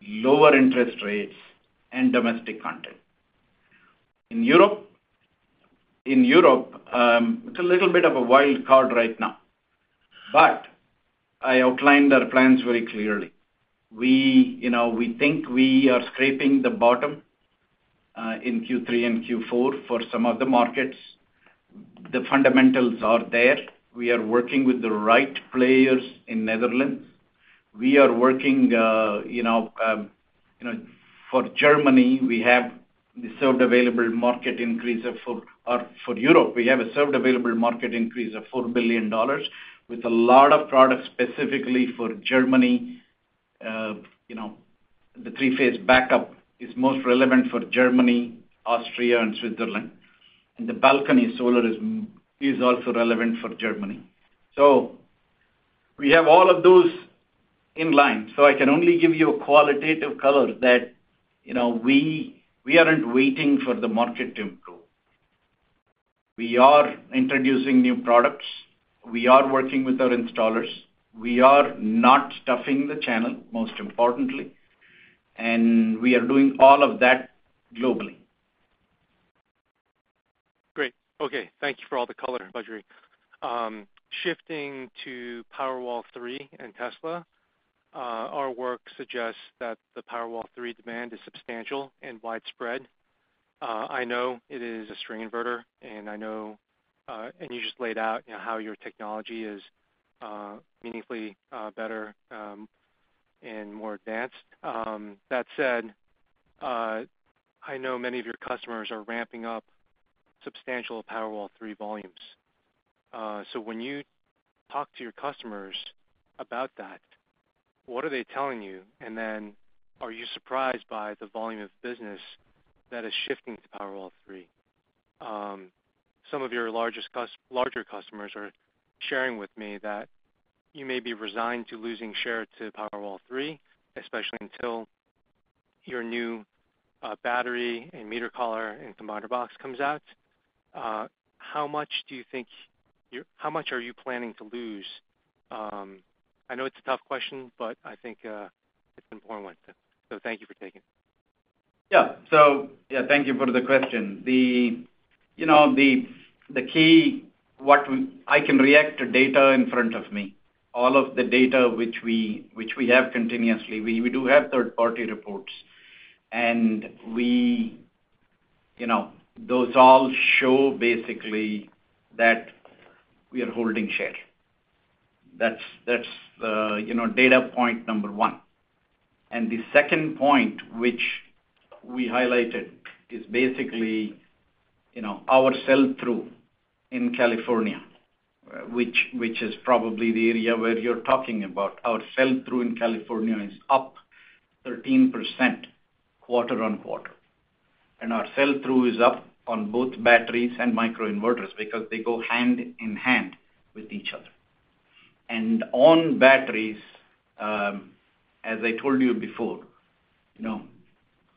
lower interest rates, and domestic content. In Europe, it's a little bit of a wild card right now, but I outlined our plans very clearly. We, you know, we think we are scraping the bottom in Q3 and Q4 for some of the markets. The fundamentals are there. We are working with the right players in Netherlands. For Europe, we have a served available market increase of $4 billion with a lot of products specifically for Germany. The three-phase backup is most relevant for Germany, Austria, and Switzerland. The balcony solar is also relevant for Germany. So we have all of those in line. So I can only give you a qualitative color that, you know, we aren't waiting for the market to improve. We are introducing new products. We are working with our installers. We are not stuffing the channel, most importantly, and we are doing all of that globally. Great. Okay, thank you for all the color, Badri. Shifting to Powerwall 3 and Tesla, our work suggests that the Powerwall 3 demand is substantial and widespread. I know it is a string inverter, and I know, and you just laid out, you know, how your technology is, meaningfully, better, and more advanced. That said, I know many of your customers are ramping up substantial Powerwall 3 volumes. So when you talk to your customers about that, what are they telling you? And then, are you surprised by the volume of business that is shifting to Powerwall 3? Some of your largest larger customers are sharing with me that you may be resigned to losing share to Powerwall 3, especially until your new battery and meter collar and combiner box comes out. How much do you think you're planning to lose? I know it's a tough question, but I think it's an important one, so thank you for taking it. Yeah. So, yeah, thank you for the question. You know, the key-what I can react to data in front of me. All of the data which we have continuously, we do have third-party reports, and we, you know, those all show basically that we are holding share. That's, you know, data point number one. And the second point, which we highlighted, is basically, you know, our sell-through in California, which is probably the area where you're talking about. Our sell-through in California is up 13% quarter-on-quarter, and our sell-through is up on both batteries and microinverters because they go hand in hand with each other. On batteries, as I told you before, you know,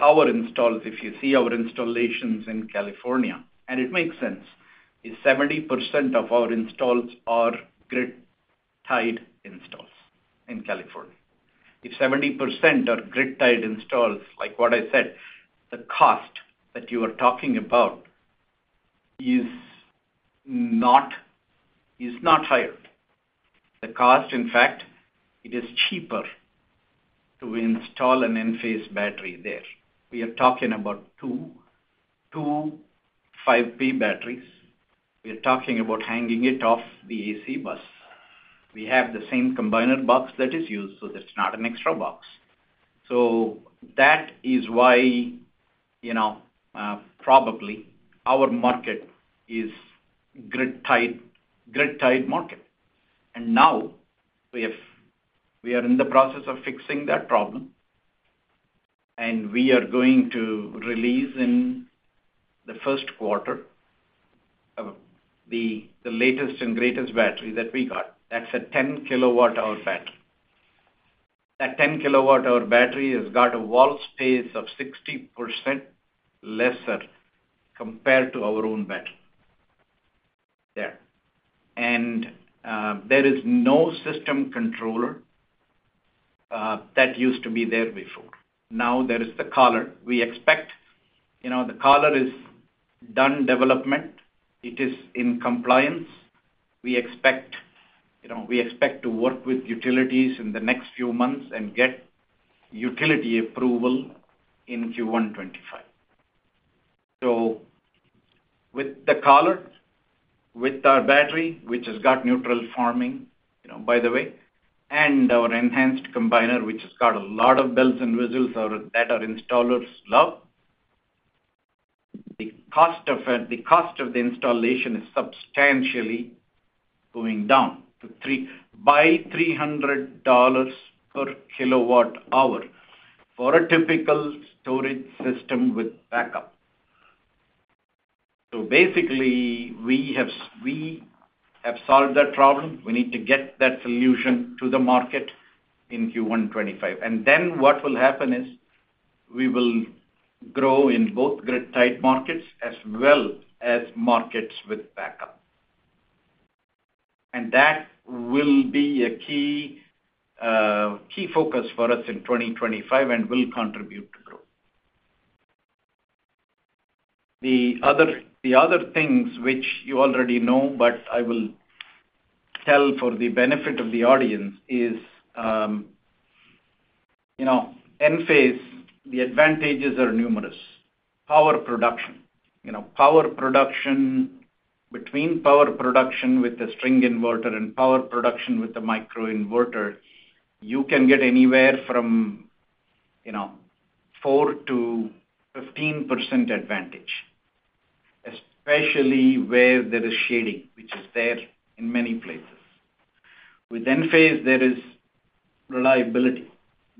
our installs, if you see our installations in California, and it makes sense, is 70% of our installs are grid-tied installs in California. If 70% are grid-tied installs, like what I said, the cost that you are talking about is not, is not higher. The cost, in fact, it is cheaper to install an Enphase battery there. We are talking about two 5P batteries. We are talking about hanging it off the AC bus. We have the same combiner box that is used, so that's not an extra box. So that is why, you know, probably our market is grid-tied market. Now, we have we are in the process of fixing that problem, and we are going to release in the first quarter-... the latest and greatest battery that we got, that's a 10kWh battery. That 10kWh battery has got a wall space of 60% lesser compared to our own battery. And there is no System Controller that used to be there before. Now there is the collar. We expect, you know, the collar is done development. It is in compliance. We expect, you know, we expect to work with utilities in the next few months and get utility approval in Q1 2025. With the collar, with our battery, which has got neutral forming, you know, by the way, and our enhanced combiner, which has got a lot of bells and whistles that our installers love, the cost of the installation is substantially going down by $300 per kilowatt-hour for a typical storage system with backup. Basically, we have solved that problem. We need to get that solution to the market in Q1 2025. Then what will happen is, we will grow in both grid-tied markets as well as markets with backup. That will be a key focus for us in 2025 and will contribute to growth. The other things which you already know, but I will tell for the benefit of the audience, is, you know, Enphase, the advantages are numerous. Power production. You know, power production between power production with the string inverter and power production with the microinverter, you can get anywhere from, you know, 4% to 15% advantage, especially where there is shading, which is there in many places. With Enphase, there is reliability.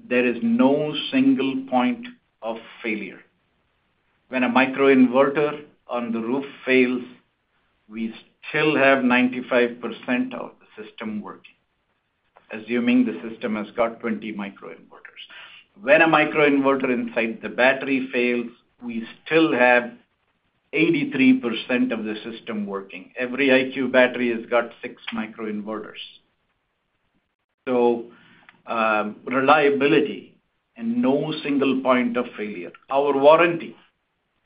There is no single point of failure. When a microinverter on the roof fails, we still have 95% of the system working, assuming the system has got 20 microinverters. When a microinverter inside the battery fails, we still have 83% of the system working. Every IQ battery has got 6 microinverters. Reliability and no single point of failure. Our warranty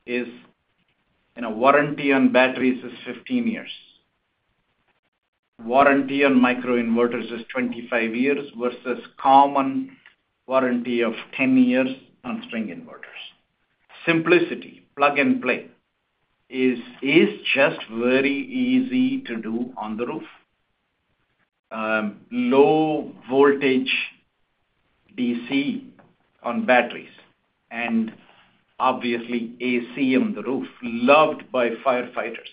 is, you know, warranty on batteries is 15 years. Warranty on microinverters is 25 years versus common warranty of 10 years on string inverters. Simplicity, plug-and-play, is just very easy to do on the roof. Low voltage DC on batteries and obviously AC on the roof, loved by firefighters.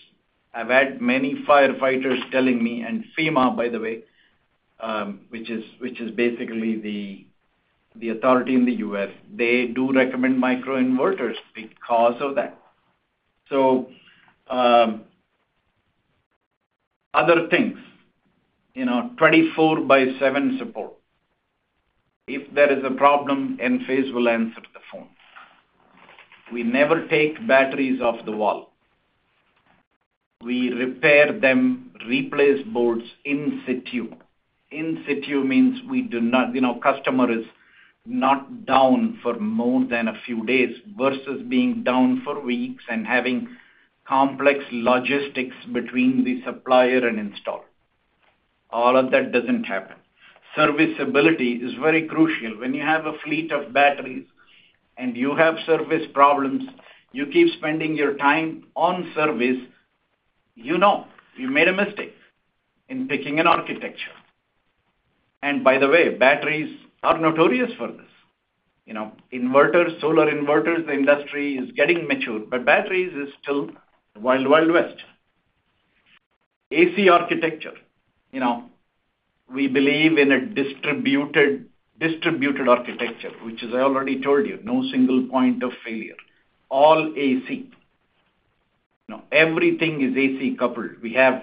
I've had many firefighters telling me, and FEMA, by the way, which is basically the authority in the U.S., they do recommend microinverters because of that. So, other things, you know, 24/7 support. If there is a problem, Enphase will answer the phone. We never take batteries off the wall. We repair them, replace boards in situ. In situ means we do not. You know, customer is not down for more than a few days, versus being down for weeks and having complex logistics between the supplier and installer. All of that doesn't happen. Serviceability is very crucial. When you have a fleet of batteries and you have service problems, you keep spending your time on service, you know you made a mistake in picking an architecture. And by the way, batteries are notorious for this. You know, inverters, solar inverters, the industry is getting mature, but batteries is still wild, wild west. AC architecture, you know, we believe in a distributed, distributed architecture, which as I already told you, no single point of failure, all AC. You know, everything is AC coupled. We have,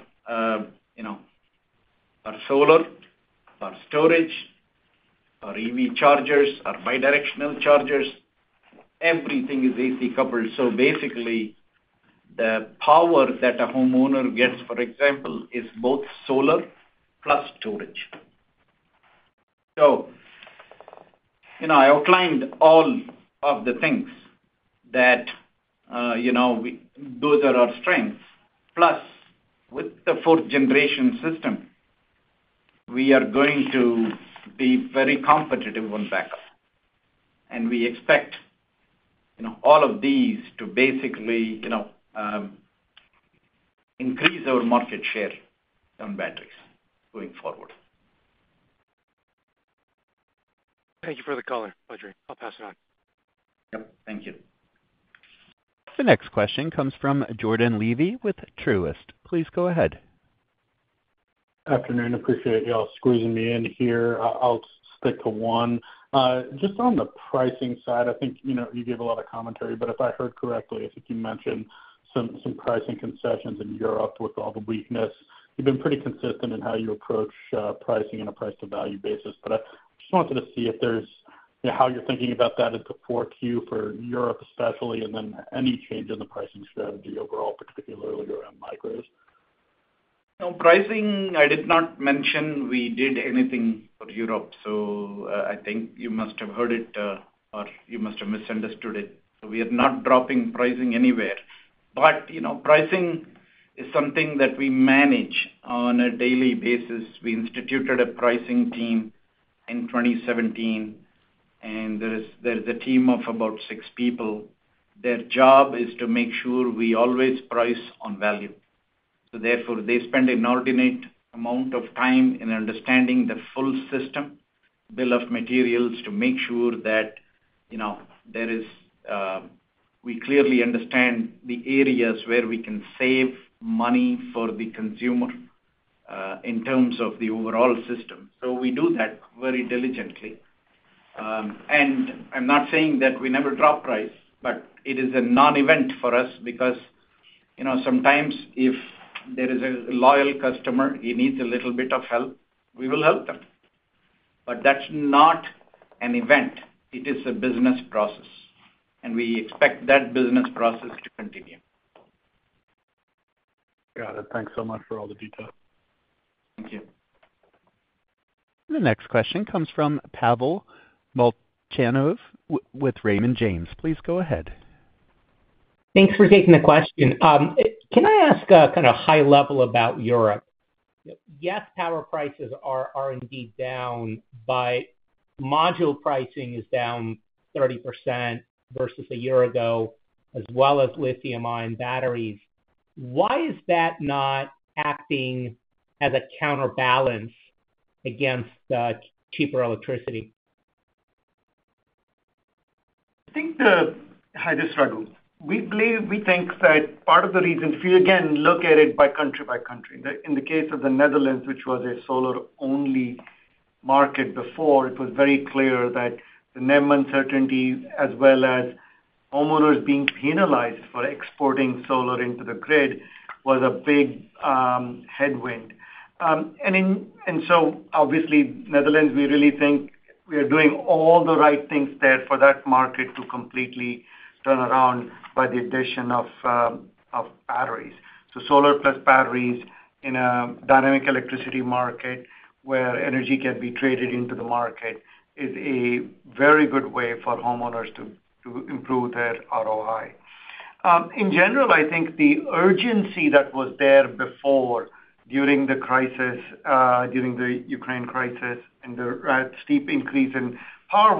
you know, our solar, our storage, our EV chargers, our bidirectional chargers, everything is AC coupled. So basically, the power that a homeowner gets, for example, is both solar plus storage. So, you know, I outlined all of the things that, you know, we, those are our strengths, plus, with the fourth generation system, we are going to be very competitive on backup. And we expect, you know, all of these to basically, you know, increase our market share on batteries going forward. Thank you for the color, Badri. I'll pass it on. Yep, thank you. The next question comes from Jordan Levy with Truist. Please go ahead.... Afternoon. Appreciate y'all squeezing me in here. I'll stick to one. Just on the pricing side, I think, you know, you gave a lot of commentary, but if I heard correctly, I think you mentioned some pricing concessions in Europe with all the weakness. You've been pretty consistent in how you approach pricing on a price to value basis, but I just wanted to see if there's, you know, how you're thinking about that into Q4 for Europe especially, and then any change in the pricing strategy overall, particularly around micros. No, pricing. I did not mention we did anything for Europe, so I think you must have heard it or you must have misunderstood it. So we are not dropping pricing anywhere. But you know, pricing is something that we manage on a daily basis. We instituted a pricing team in 2017, and there is a team of about six people. Their job is to make sure we always price on value. So therefore, they spend an inordinate amount of time in understanding the full system bill of materials to make sure that you know, there is we clearly understand the areas where we can save money for the consumer in terms of the overall system. So we do that very diligently. I'm not saying that we never drop price, but it is a non-event for us because, you know, sometimes if there is a loyal customer, he needs a little bit of help, we will help them. But that's not an event, it is a business process, and we expect that business process to continue. Got it. Thanks so much for all the detail. Thank you. The next question comes from Pavel Molchanov with Raymond James. Please go ahead. Thanks for taking the question. Can I ask, kind of high level about Europe? Yes, power prices are indeed down, but module pricing is down 30% versus a year ago, as well as lithium-ion batteries. Why is that not acting as a counterbalance against cheaper electricity? I think I just struggle. We think that part of the reason, if you again look at it by country by country, in the case of the Netherlands, which was a solar-only market before, it was very clear that the net uncertainty, as well as homeowners being penalized for exporting solar into the grid, was a big headwind. And so obviously, Netherlands, we really think we are doing all the right things there for that market to completely turn around by the addition of batteries. So solar plus batteries in a dynamic electricity market, where energy can be traded into the market, is a very good way for homeowners to improve their ROI. In general, I think the urgency that was there before, during the crisis, during the Ukraine crisis and the steep increase in power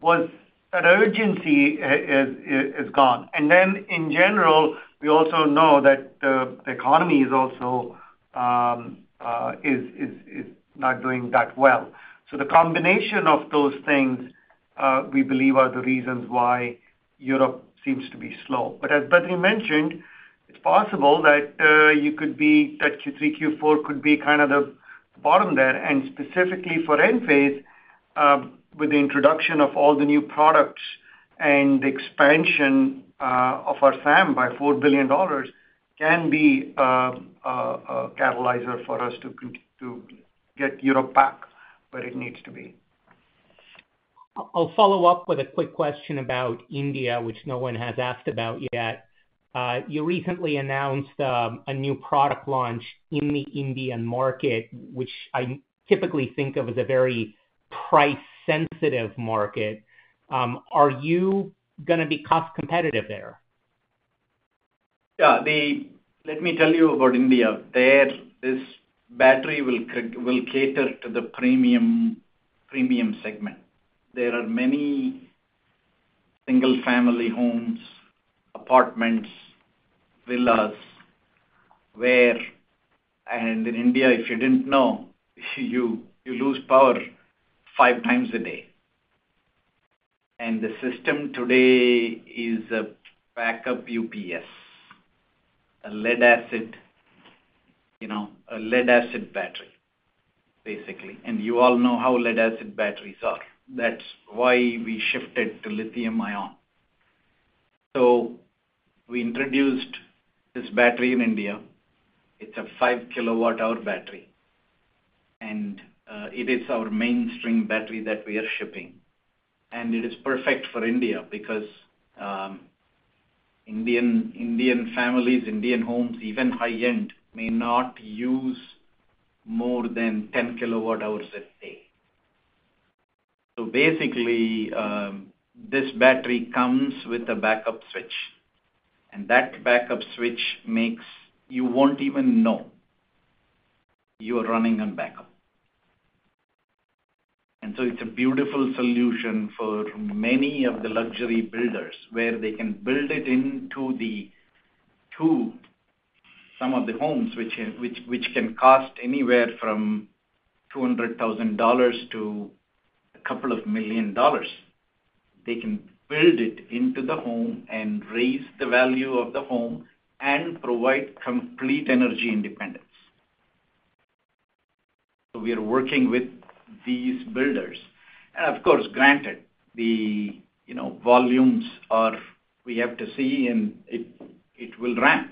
was... That urgency is gone. And then, in general, we also know that the economy is also not doing that well. So the combination of those things, we believe are the reasons why Europe seems to be slow. But as Badri mentioned, it's possible that Q3, Q4 could be kind of the bottom there, and specifically for Enphase, with the introduction of all the new products and the expansion of our SAM by $4 billion, can be a catalyst for us to get Europe back where it needs to be. I'll follow up with a quick question about India, which no one has asked about yet. You recently announced a new product launch in the Indian market, which I typically think of as a very price-sensitive market. Are you gonna be cost competitive there? Yeah. Let me tell you about India. There, this battery will cater to the premium segment. There are many single-family homes, apartments, villas, where. And in India, if you didn't know, you lose power five times a day. And the system today is a backup UPS, a lead-acid battery, you know, basically. And you all know how lead-acid batteries are. That's why we shifted to lithium-ion. So we introduced this battery in India. It's a 5kWh battery, and it is our mainstream battery that we are shipping. And it is perfect for India because Indian families, Indian homes, even high-end, may not use more than 10kWh a day. So basically, this battery comes with a backup switch, and that backup switch makes. You won't even know you are running on backup. It's a beautiful solution for many of the luxury builders, where they can build it into the to some of the homes which can cost anywhere from $200,000 to a couple of million dollars. They can build it into the home and raise the value of the home and provide complete energy independence. So we are working with these builders. And, of course, granted, the you know, volumes are, we have to see, and it will ramp.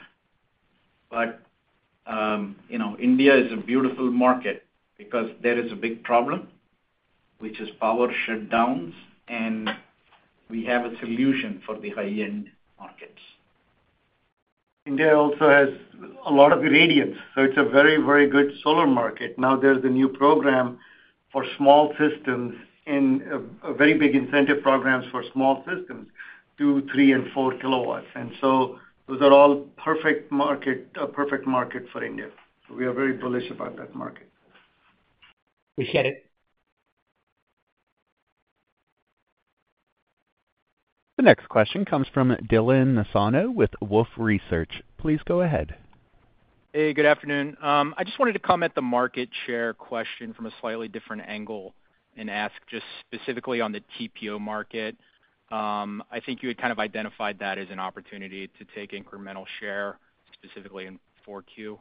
But, you know, India is a beautiful market because there is a big problem, which is power shutdowns, and we have a solution for the high-end markets. India also has a lot of irradiance, so it's a very, very good solar market. Now, there's a new program for small systems and a very big incentive programs for small systems, 2kW, 3kW, and 4kW, and so those are all perfect market, a perfect market for India. We are very bullish about that market. We get it. The next question comes from Dylan Nassano with Wolfe Research. Please go ahead. Hey, good afternoon. I just wanted to comment the market share question from a slightly different angle and ask just specifically on the TPO market. I think you had kind of identified that as an opportunity to take incremental share, specifically in Q4,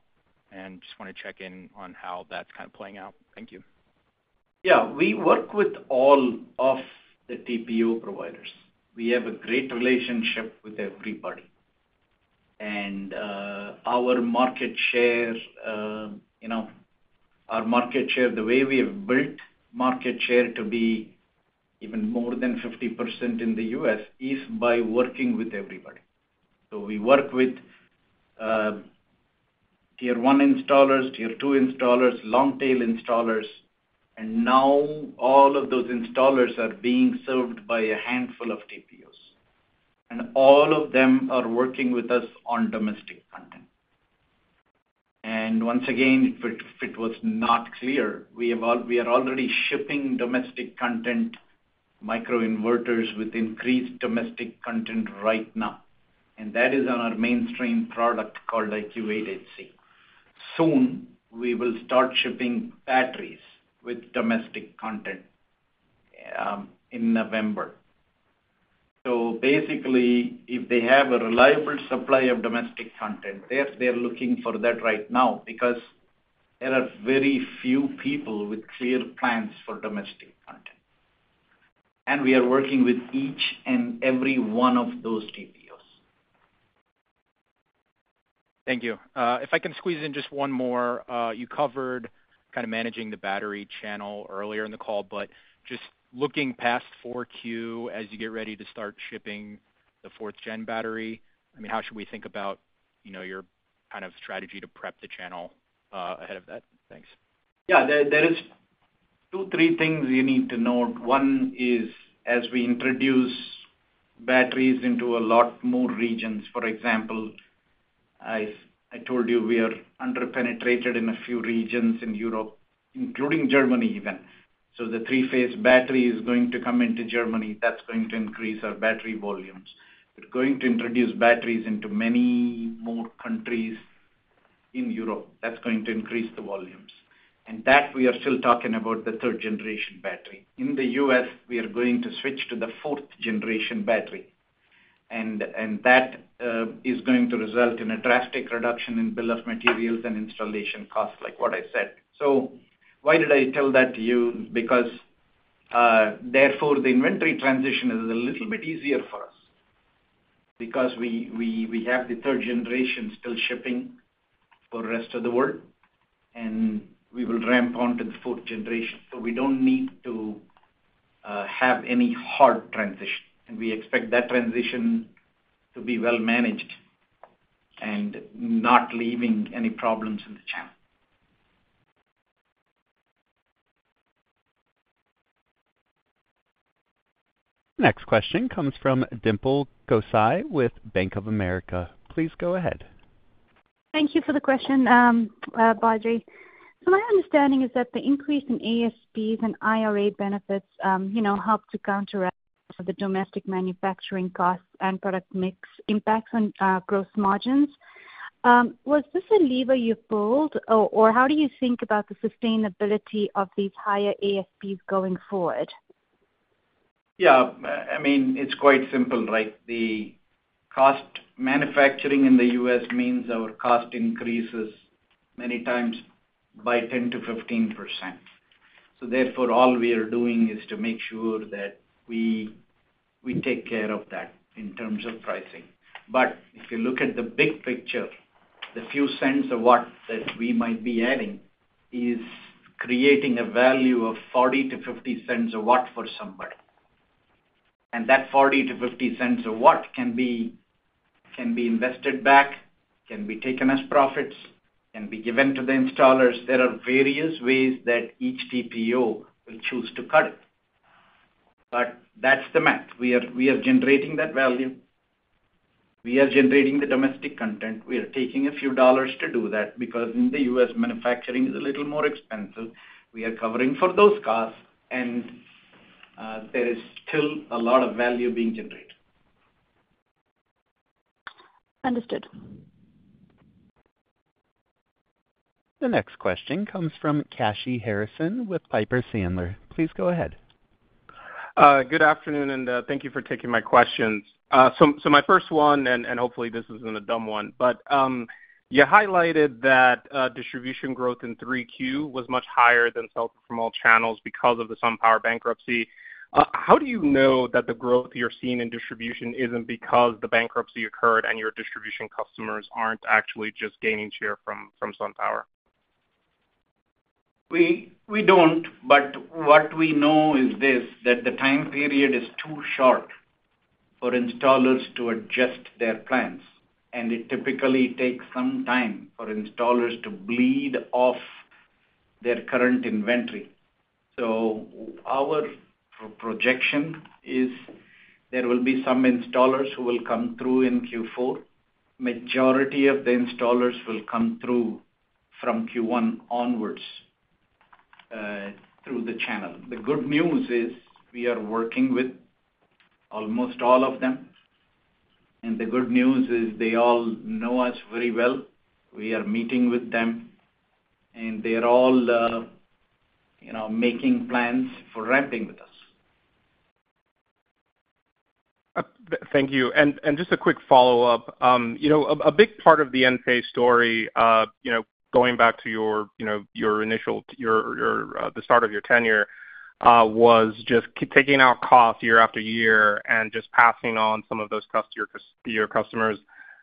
and just want to check in on how that's kind of playing out. Thank you. Yeah. We work with all of the TPO providers. We have a great relationship with everybody. And our market share, you know, the way we have built market share to be even more than 50% in the U.S., is by working with everybody. So we work with tier one installers, tier two installers, long-tail installers, and now all of those installers are being served by a handful of TPOs. And all of them are working with us on domestic content. And once again, if it was not clear, we are already shipping domestic content microinverters with increased domestic content right now, and that is on our mainstream product called IQ8HC. Soon, we will start shipping batteries with domestic content in November. So basically, if they have a reliable supply of domestic content, they're looking for that right now because there are very few people with clear plans for domestic content. And we are working with each and every one of those TPOs. Thank you. If I can squeeze in just one more. You covered kind of managing the battery channel earlier in the call, but just looking past Q4 as you get ready to start shipping the fourth gen battery, I mean, how should we think about, you know, your kind of strategy to prep the channel ahead of that? Thanks. Yeah. There is two, three things you need to note. One is, as we introduce batteries into a lot more regions, for example, I told you we are under-penetrated in a few regions in Europe, including Germany even. So the three-phase battery is going to come into Germany. That's going to increase our battery volumes. We're going to introduce batteries into many more countries in Europe. That's going to increase the volumes. And that, we are still talking about the third generation battery. In the U.S., we are going to switch to the fourth generation battery, and that is going to result in a drastic reduction in bill of materials and installation costs, like what I said. So why did I tell that to you? Because, therefore, the inventory transition is a little bit easier for us. Because we have the third generation still shipping for the rest of the world, and we will ramp onto the fourth generation. So we don't need to have any hard transition, and we expect that transition to be well managed and not leaving any problems in the channel. Next question comes from Dimple Gosai with Bank of America. Please go ahead. Thank you for the question, Badri. So my understanding is that the increase in ASPs and IRA benefits, you know, helped to counteract some of the domestic manufacturing costs and product mix impacts on gross margins. Was this a lever you pulled, or, or how do you think about the sustainability of these higher ASPs going forward? Yeah. I mean, it's quite simple, right? The cost of manufacturing in the U.S. means our cost increases many times by 10%-15%. So therefore, all we are doing is to make sure that we take care of that in terms of pricing. But if you look at the big picture, the few cents a watt that we might be adding is creating a value of $0.40 to $0.50 a watt for somebody. And that $0.40 to $0.50 a watt can be invested back, can be taken as profits, can be given to the installers. There are various ways that each TPO will choose to cut it, but that's the math. We are generating that value. We are generating the domestic content. We are taking a few dollars to do that because in the U.S., manufacturing is a little more expensive. We are covering for those costs, and there is still a lot of value being generated. Understood. The next question comes from Kashy Harrison with Piper Sandler. Please go ahead. Good afternoon, and thank you for taking my questions. So my first one, and hopefully this isn't a dumb one, but you highlighted that distribution growth in 3Q was much higher than sales from all channels because of the SunPower bankruptcy. How do you know that the growth you're seeing in distribution isn't because the bankruptcy occurred, and your distribution customers aren't actually just gaining share from SunPower? We don't, but what we know is this, that the time period is too short for installers to adjust their plans, and it typically takes some time for installers to bleed off their current inventory. So our projection is there will be some installers who will come through in Q4. Majority of the installers will come through from Q1 onwards, through the channel. The good news is we are working with almost all of them, and the good news is they all know us very well. We are meeting with them, and they are all, you know, making plans for ramping with us. Thank you. And just a quick follow-up. You know, a big part of the Enphase story, you know, going back to your initial, the start of your tenure, was just taking out cost year after year and just passing on some of those costs to your customers.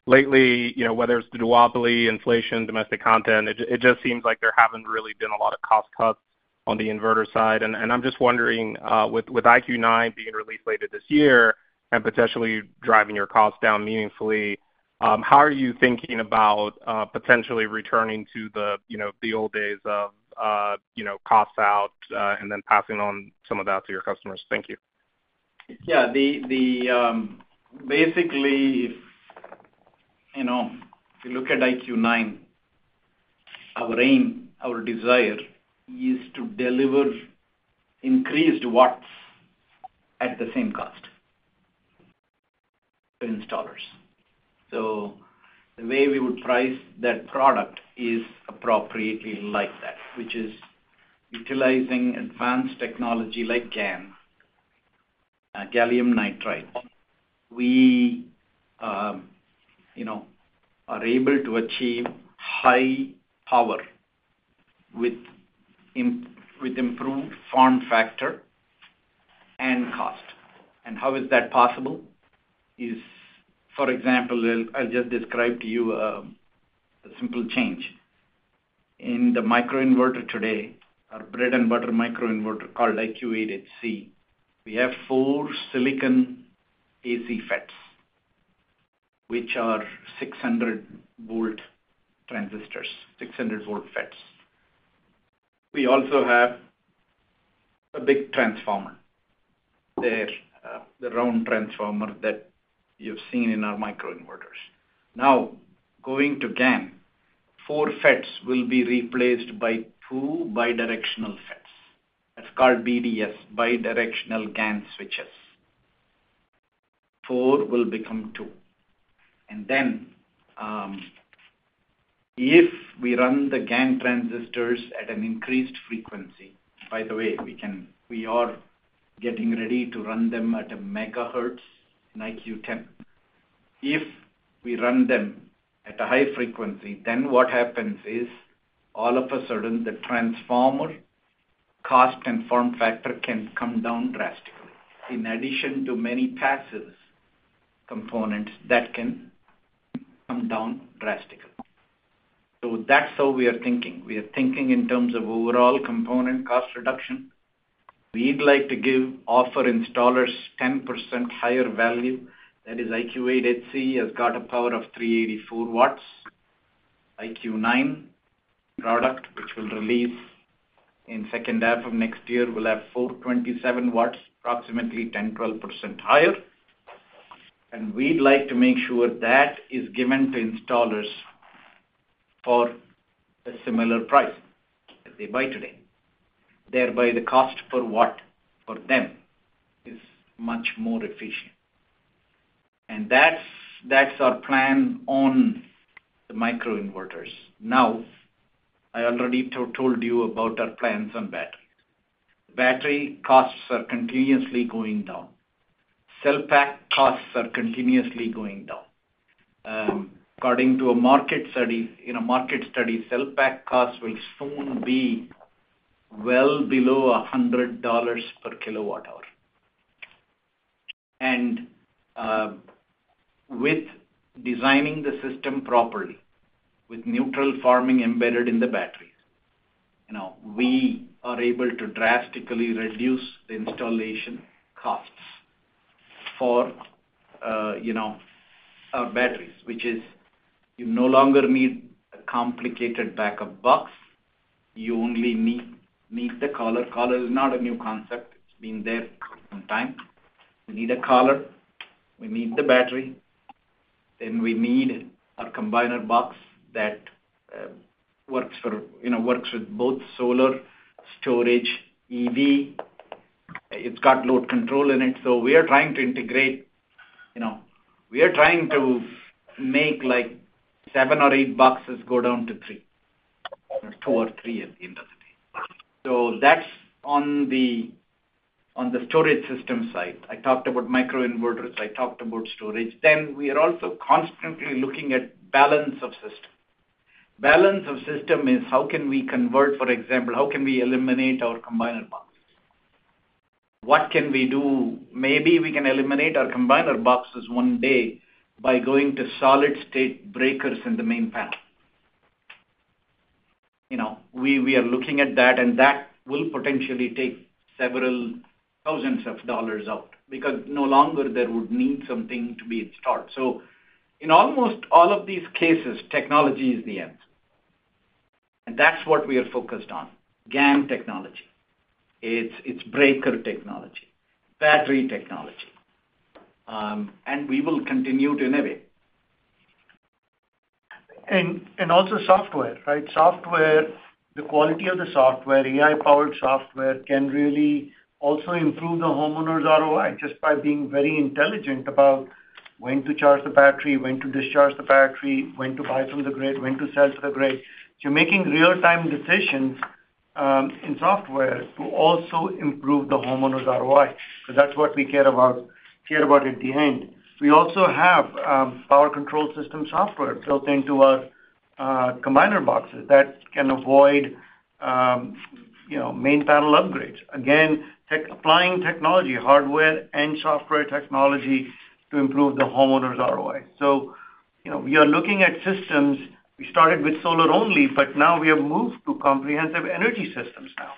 Lately, you know, whether it's the duopoly, inflation, domestic content, it just seems like there haven't really been a lot of cost cuts on the inverter side. And I'm just wondering, with IQ9 being released later this year and potentially driving your costs down meaningfully, how are you thinking about potentially returning to the old days of, you know, costs out, and then passing on some of that to your customers? Thank you. Yeah, the basically, if you know if you look at IQ9, our aim, our desire is to deliver increased watts at the same cost to installers. So the way we would price that product is appropriately like that, which is utilizing advanced technology like GaN, gallium nitride. We you know are able to achieve high power with with improved form factor and cost. And how is that possible? For example, I'll just describe to you a simple change. In the microinverter today, our bread-and-butter microinverter called IQ8 HC, we have four silicon AC FETs, which are 600-volt transistors, 600-volt FETs. We also have a big transformer there, the round transformer that you've seen in our microinverters. Now, going to GaN, four FETs will be replaced by two bidirectional FETs. That's called BDS, bidirectional GaN switches. Four will become two. Then, if we run the GaN transistors at an increased frequency. By the way, we can. We are getting ready to run them at a megahertz in IQ9. If we run them at a high frequency, then what happens is, all of a sudden, the transformer cost and form factor can come down drastically, in addition to many passive components that can come down drastically. That's how we are thinking. We are thinking in terms of overall component cost reduction. We'd like to offer installers 10% higher value. That is, IQ8HC has got a power of 384W. IQ9 product, which will release in second half of next year, will have 427W, approximately 10%-12% higher. We'd like to make sure that is given to installers for a similar price as they buy today. Thereby, the cost per watt for them is much more efficient. That's our plan on the microinverters. Now, I already told you about our plans on batteries. Battery costs are continuously going down. Cell pack costs are continuously going down. According to a market study, cell pack costs will soon be well below $100 per kilowatt-hour. With designing the system properly, with neutral forming embedded in the batteries, you know, we are able to drastically reduce the installation costs for, you know, our batteries, which is, you no longer need a complicated backup box. You only need the collar. Collar is not a new concept. It's been there for some time. We need an IQ Meter Collar, we need the battery, and we need an IQ Combiner that works for, you know, works with both solar, storage, EV. It's got load control in it. So we are trying to integrate, you know, we are trying to make like seven or eight boxes go down to three, or two or three at the end of the day. So that's on the storage system side. I talked about microinverters, I talked about storage. Then we are also constantly looking at balance of system. Balance of system is how can we convert, for example, how can we eliminate our IQ Combiners? What can we do? Maybe we can eliminate our IQ Combiners one day by going to solid-state breakers in the main panel. You know, we are looking at that, and that will potentially take several thousands of dollars out, because no longer there would need something to be at start. So in almost all of these cases, technology is the answer, and that's what we are focused on, GaN technology. It's breaker technology, battery technology, and we will continue to innovate. And also software, right? Software, the quality of the software, AI-powered software, can really also improve the homeowner's ROI, just by being very intelligent about when to charge the battery, when to discharge the battery, when to buy from the grid, when to sell to the grid. So you're making real-time decisions in software to also improve the homeowner's ROI, because that's what we care about, care about at the end. We also have power control system software built into our combiner boxes that can avoid, you know, main panel upgrades. Again, applying technology, hardware and software technology, to improve the homeowner's ROI, so you know, we are looking at systems. We started with solar only, but now we have moved to comprehensive energy systems now,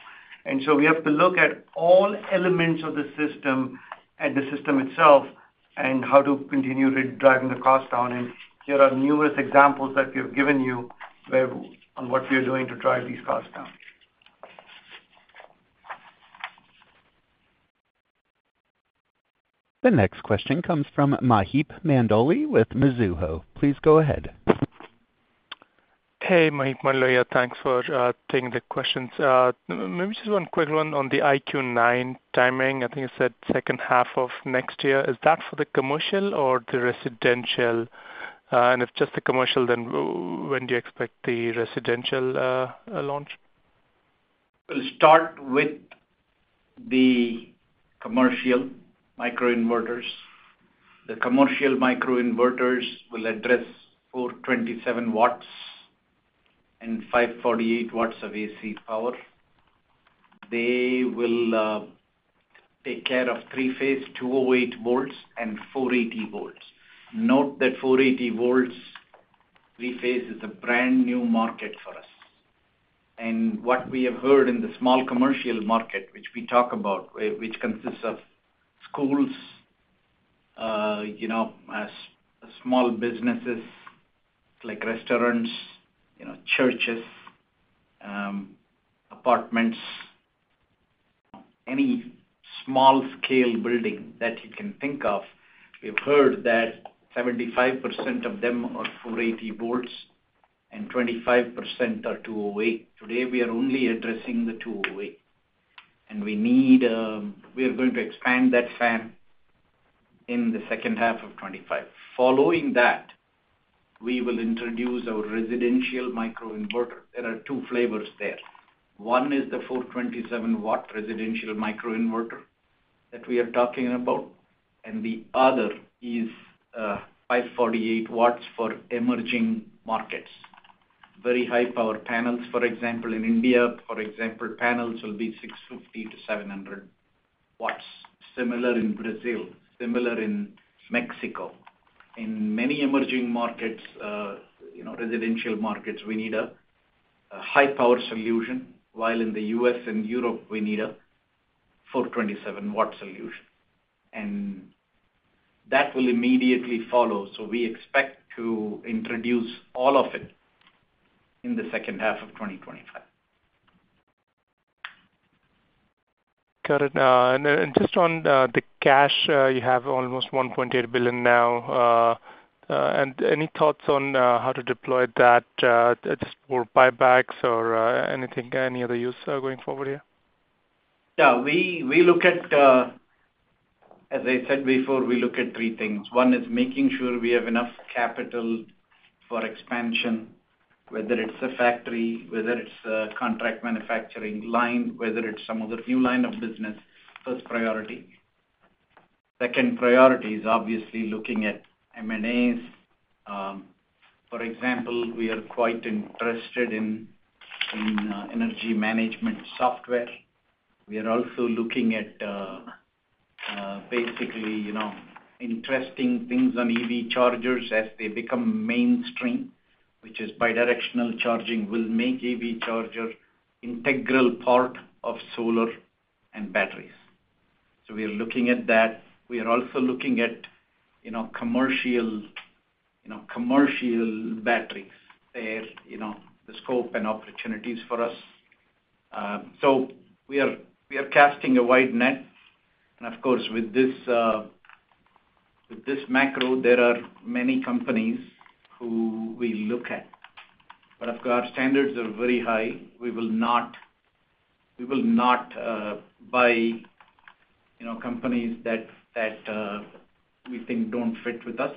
and so we have to look at all elements of the system and the system itself, and how to continue driving the cost down, and here are numerous examples that we have given you where on what we are doing to drive these costs down. The next question comes from Maheep Mandloi with Mizuho. Please go ahead. Hey, Maheep Mandloi here. Thanks for taking the questions. Maybe just one quick one on the IQ9 timing. I think you said second half of next year. Is that for the commercial or the residential? And if just the commercial, then when do you expect the residential launch? We'll start with the commercial microinverters. The commercial microinverters will address 427W and 548W of AC power. They will take care of three-phase, 208 volts and 480 volts. Note that 480 volts three-phase is a brand-new market for us, and what we have heard in the small commercial market, which we talk about, which consists of schools, you know, small businesses, like restaurants, you know, churches, apartments, any small-scale building that you can think of, we've heard that 75% of them are 480 volts and 25% are 208. Today, we are only addressing the 208, and we need. We are going to expand that fan in the second half of 2025. Following that, we will introduce our residential microinverter. There are two flavors there. One is the 427W residential microinverter that we are talking about, and the other is 548W for emerging markets. Very high-power panels, for example, in India, for example, panels will be 650W to 700W. Similar in Brazil, similar in Mexico. In many emerging markets, you know, residential markets, we need a high-power solution, while in the U.S. and Europe, we need a 427W solution, and that will immediately follow, so we expect to introduce all of it in the second half of 2025. Got it. And just on the cash, you have almost $1.8 billion now, and any thoughts on how to deploy that, just for buybacks or anything, any other use going forward here? Yeah, we look at. As I said before, we look at three things. One is making sure we have enough capital for expansion, whether it's a factory, whether it's a contract manufacturing line, whether it's some other new line of business, first priority. Second priority is obviously looking at M&As. For example, we are quite interested in energy management software. We are also looking at basically, you know, interesting things on EV chargers as they become mainstream, which is bidirectional charging will make EV charger integral part of solar and batteries. So we are looking at that. We are also looking at, you know, commercial batteries there, you know, the scope and opportunities for us. So we are casting a wide net, and of course, with this... With this macro, there are many companies who we look at, but of course, our standards are very high. We will not buy, you know, companies that we think don't fit with us.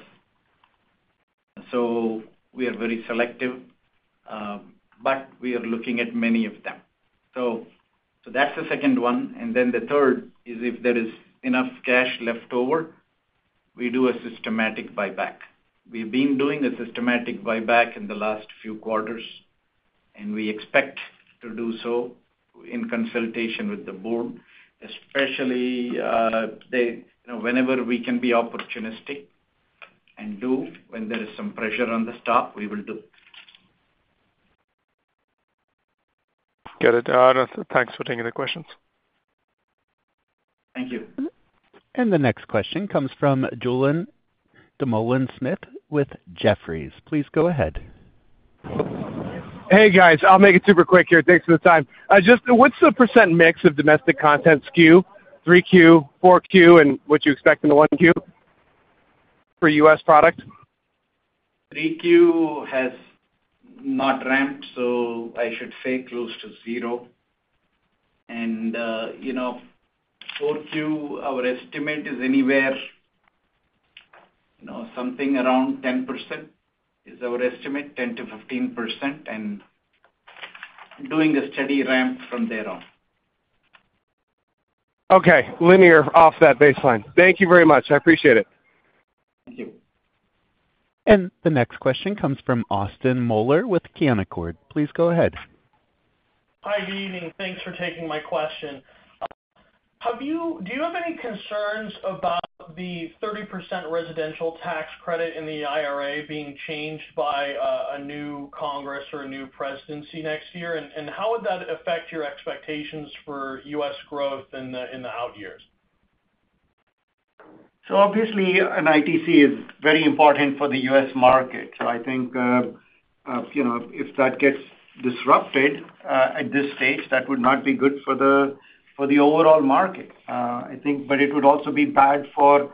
So we are very selective, but we are looking at many of them. So that's the second one. And then the third is if there is enough cash left over, we do a systematic buyback. We've been doing a systematic buyback in the last few quarters, and we expect to do so in consultation with the board, especially, you know, whenever we can be opportunistic and do when there is some pressure on the stock, we will do. Got it. Thanks for taking the questions. Thank you. The next question comes from Julien Dumoulin-Smith with Jefferies. Please go ahead. Hey, guys. I'll make it super quick here. Thanks for the time. Just what's the percent mix of domestic content SKU, 3Q, 4Q, and what you expect in the 1Q for U.S. product? 3Q has not ramped, so I should say close to zero, and you know, 4Q, our estimate is anywhere, you know, something around 10% is our estimate, 10%-15%, and doing a steady ramp from there on. Okay. Linear off that baseline. Thank you very much. I appreciate it. Thank you. The next question comes from Austin Moeller with Canaccord Genuity. Please go ahead. Hi, good evening. Thanks for taking my question. Do you have any concerns about the 30% residential tax credit in the IRA being changed by a new Congress or a new presidency next year? And, how would that affect your expectations for U.S. growth in the out years? So obviously, an ITC is very important for the U.S. market. I think, you know, if that gets disrupted at this stage, that would not be good for the overall market. I think but it would also be bad for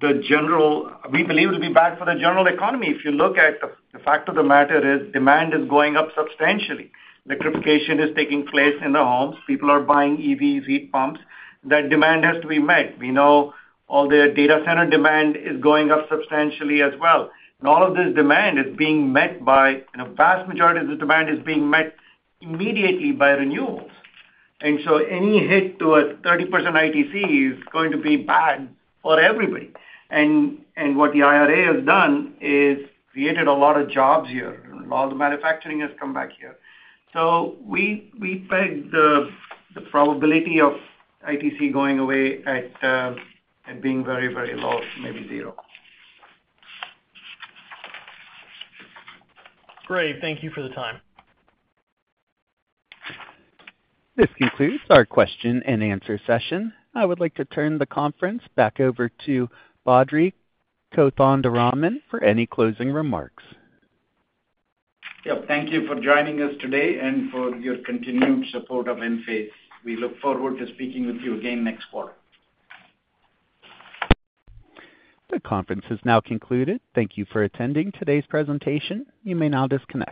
the general. We believe it will be bad for the general economy. If you look at the fact of the matter is, demand is going up substantially. Electrification is taking place in the homes. People are buying EVs, heat pumps. That demand has to be met. We know all the data center demand is going up substantially as well. And all of this demand is being met by, and a vast majority of this demand is being met immediately by renewables. And so any hit to a 30% ITC is going to be bad for everybody. What the IRA has done is created a lot of jobs here, and a lot of the manufacturing has come back here. We peg the probability of ITC going away at being very, very low, maybe zero. Great. Thank you for the time. This concludes our question and answer session. I would like to turn the conference back over to Badri Kothandaraman for any closing remarks. Yep, thank you for joining us today and for your continued support of Enphase. We look forward to speaking with you again next quarter. The conference is now concluded. Thank you for attending today's presentation. You may now disconnect.